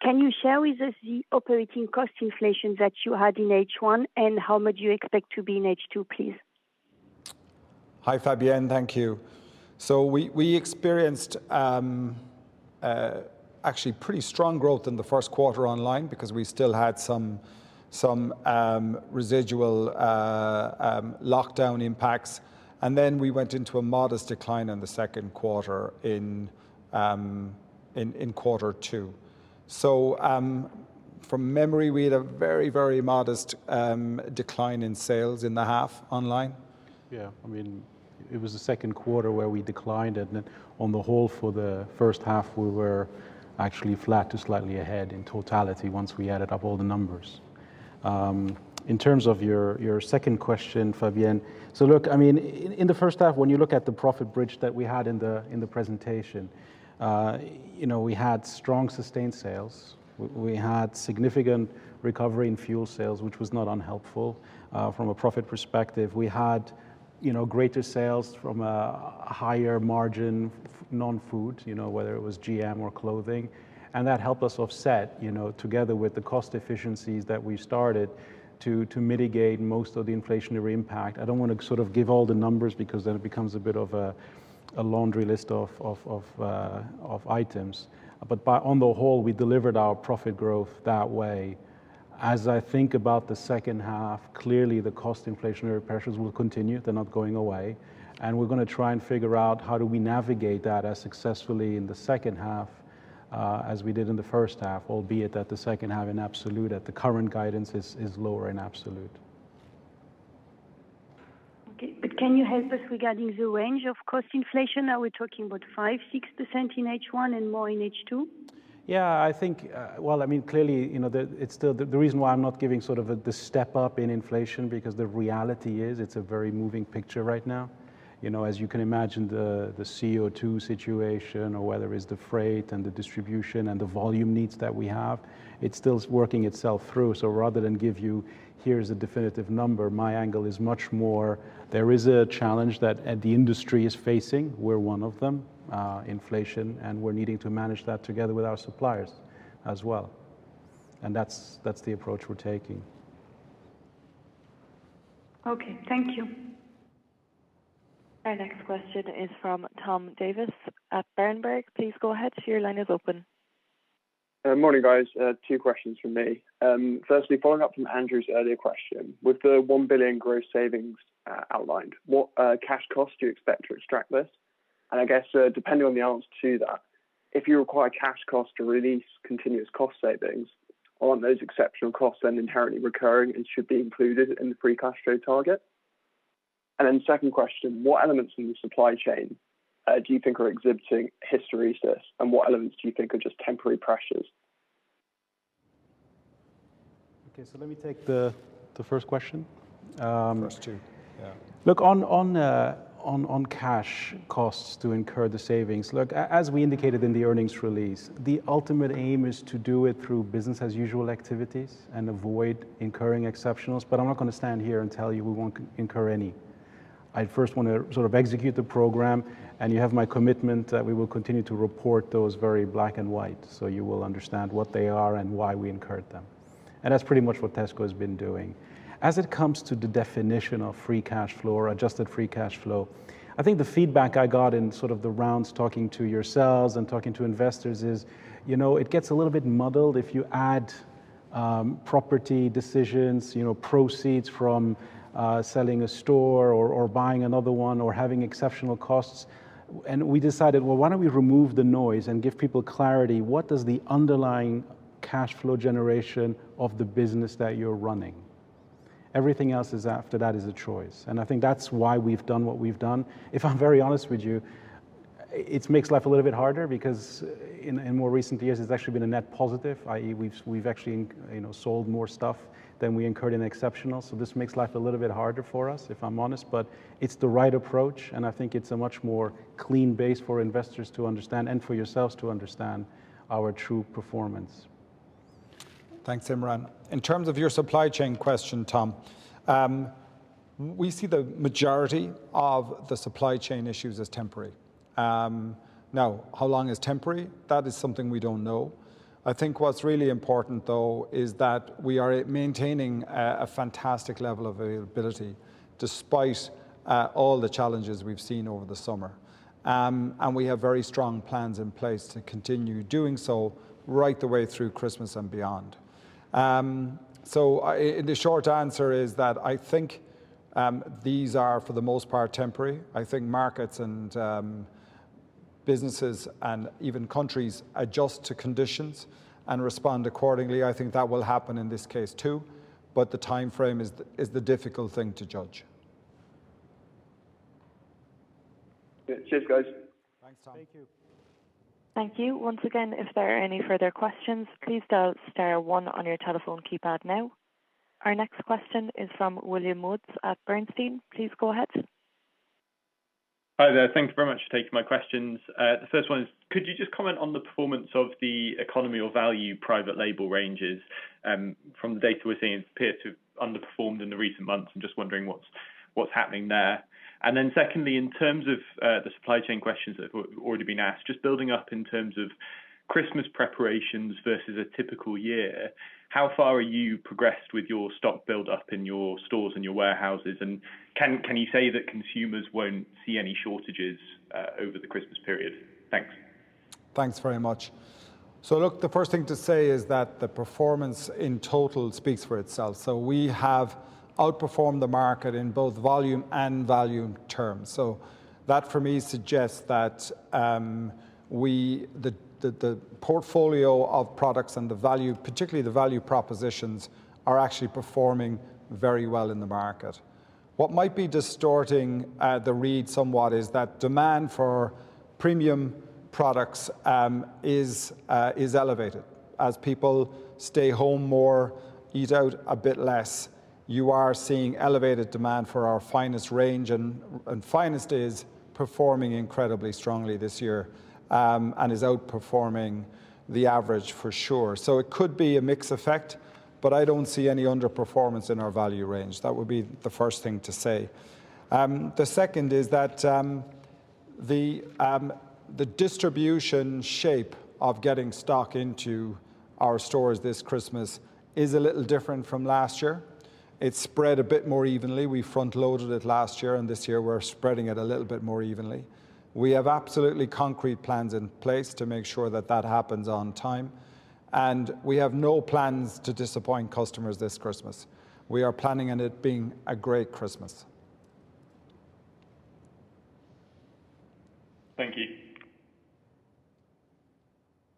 Can you share with us the operating cost inflation that you had in H1, and how much you expect to be in H2, please? Hi, Fabienne. Thank you. We experienced actually pretty strong growth in the first quarter online because we still had some residual lockdown impacts, and then we went into a modest decline in the second quarter in quarter two. From memory, we had a very modest decline in sales in the half online. It was the second quarter where we declined, and on the whole, for the first half, we were actually flat to slightly ahead in totality once we added up all the numbers. In terms of your second question, Fabienne. Look, in the first half, when you look at the profit bridge that we had in the presentation, we had strong sustained sales. We had significant recovery in fuel sales, which was not unhelpful from a profit perspective. We had greater sales from a higher margin non-food, whether it was GM or clothing, and that helped us offset, together with the cost efficiencies that we started to mitigate most of the inflationary impact. I don't want to give all the numbers because then it becomes a bit of a laundry list of items. On the whole, we delivered our profit growth that way. As I think about the second half, clearly the cost inflationary pressures will continue. They're not going away, we're going to try and figure out how do we navigate that as successfully in the second half as we did in the first half, albeit that the second half in absolute at the current guidance is lower in absolute. Okay. Can you help us regarding the range of cost inflation? Are we talking about 5%, 6% in H1 and more in H2? Yeah. The reason why I'm not giving the step up in inflation, because the reality is it's a very moving picture right now. As you can imagine, the CO2 situation, or whether it's the freight and the distribution and the volume needs that we have, it's still working itself through. Rather than give you, here is a definitive number, my angle is much more, there is a challenge that the industry is facing. We're one of them, inflation, and we're needing to manage that together with our suppliers as well. That's the approach we're taking. Okay. Thank you. Our next question is from Tom Davies at Berenberg. Morning, guys. Two questions from me. Firstly, following up from Andrew's earlier question, with the 1 billion gross savings outlined, what cash costs do you expect to extract this? I guess, depending on the answer to that, if you require cash costs to release continuous cost savings, aren't those exceptional costs then inherently recurring and should be included in the free cash flow target? Second question, what elements in the supply chain do you think are exhibiting hysteresis, and what elements do you think are just temporary pressures? Okay, let me take the first question. First two. Yeah. On cash costs to incur the savings, as we indicated in the earnings release, the ultimate aim is to do it through business as usual activities and avoid incurring exceptionals, but I'm not going to stand here and tell you we won't incur any. I first want to execute the program. You have my commitment that we will continue to report those very black and white, so you will understand what they are and why we incurred them. That's pretty much what Tesco has been doing. As it comes to the definition of free cash flow or adjusted free cash flow, I think the feedback I got in the rounds talking to yourselves and talking to investors is it gets a little bit muddled if you add property decisions, proceeds from selling a store or buying another one or having exceptional costs. We decided, well, why don't we remove the noise and give people clarity? What does the underlying cash flow generation of the business that you're running? Everything else after that is a choice. I think that's why we've done what we've done. If I'm very honest with you, it makes life a little bit harder because in more recent years, it's actually been a net positive, i.e. we've actually sold more stuff than we incurred in exceptional. This makes life a little bit harder for us, if I'm honest, but it's the right approach, and I think it's a much more clean base for investors to understand and for yourselves to understand our true performance. Thanks, Imran. In terms of your supply chain question, Tom, we see the majority of the supply chain issues as temporary. Now, how long is temporary? That is something we don't know. I think what's really important, though, is that we are maintaining a fantastic level of availability despite all the challenges we've seen over the summer. We have very strong plans in place to continue doing so right the way through Christmas and beyond. The short answer is that I think these are, for the most part, temporary. I think markets and businesses and even countries adjust to conditions and respond accordingly. I think that will happen in this case, too, but the timeframe is the difficult thing to judge. Yeah. Cheers, guys. Thanks, Tom. Thank you. Our next question is from William Woods at Bernstein. Please go ahead. Hi there. Thank you very much for taking my questions. The first one is, could you just comment on the performance of the economy or value private label ranges? From the data we're seeing, it appears to underperformed in the recent months. I'm just wondering what's happening there. Then secondly, in terms of the supply chain questions that have already been asked, just building up in terms of Christmas preparations versus a typical year, how far are you progressed with your stock build up in your stores and your warehouses, and can you say that consumers won't see any shortages over the Christmas period? Thanks. Thanks very much. Look, the first thing to say is that the performance in total speaks for itself. We have outperformed the market in both volume and value terms. That, for me, suggests that the portfolio of products and the value, particularly the value propositions, are actually performing very well in the market. What might be distorting the read somewhat is that demand for premium products is elevated. As people stay home more, eat out a bit less, you are seeing elevated demand for our Finest range, and Finest is performing incredibly strongly this year, and is outperforming the average for sure. It could be a mix effect, but I don't see any underperformance in our value range. That would be the first thing to say. The second is that the distribution shape of getting stock into our stores this Christmas is a little different from last year. It's spread a bit more evenly. We front loaded it last year, and this year we're spreading it a little bit more evenly. We have absolutely concrete plans in place to make sure that that happens on time, and we have no plans to disappoint customers this Christmas. We are planning on it being a great Christmas. Thank you.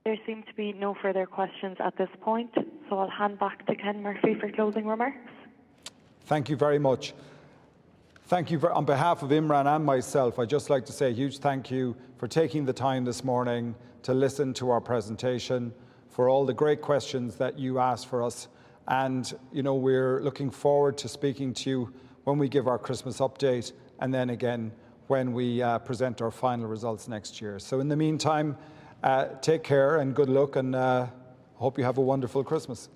There seem to be no further questions at this point, so I'll hand back to Ken Murphy for closing remarks. Thank you very much. On behalf of Imran and myself, I'd just like to say a huge thank you for taking the time this morning to listen to our presentation, for all the great questions that you asked for us, and we're looking forward to speaking to you when we give our Christmas update, and then again when we present our final results next year. In the meantime, take care and good luck, and hope you have a wonderful Christmas.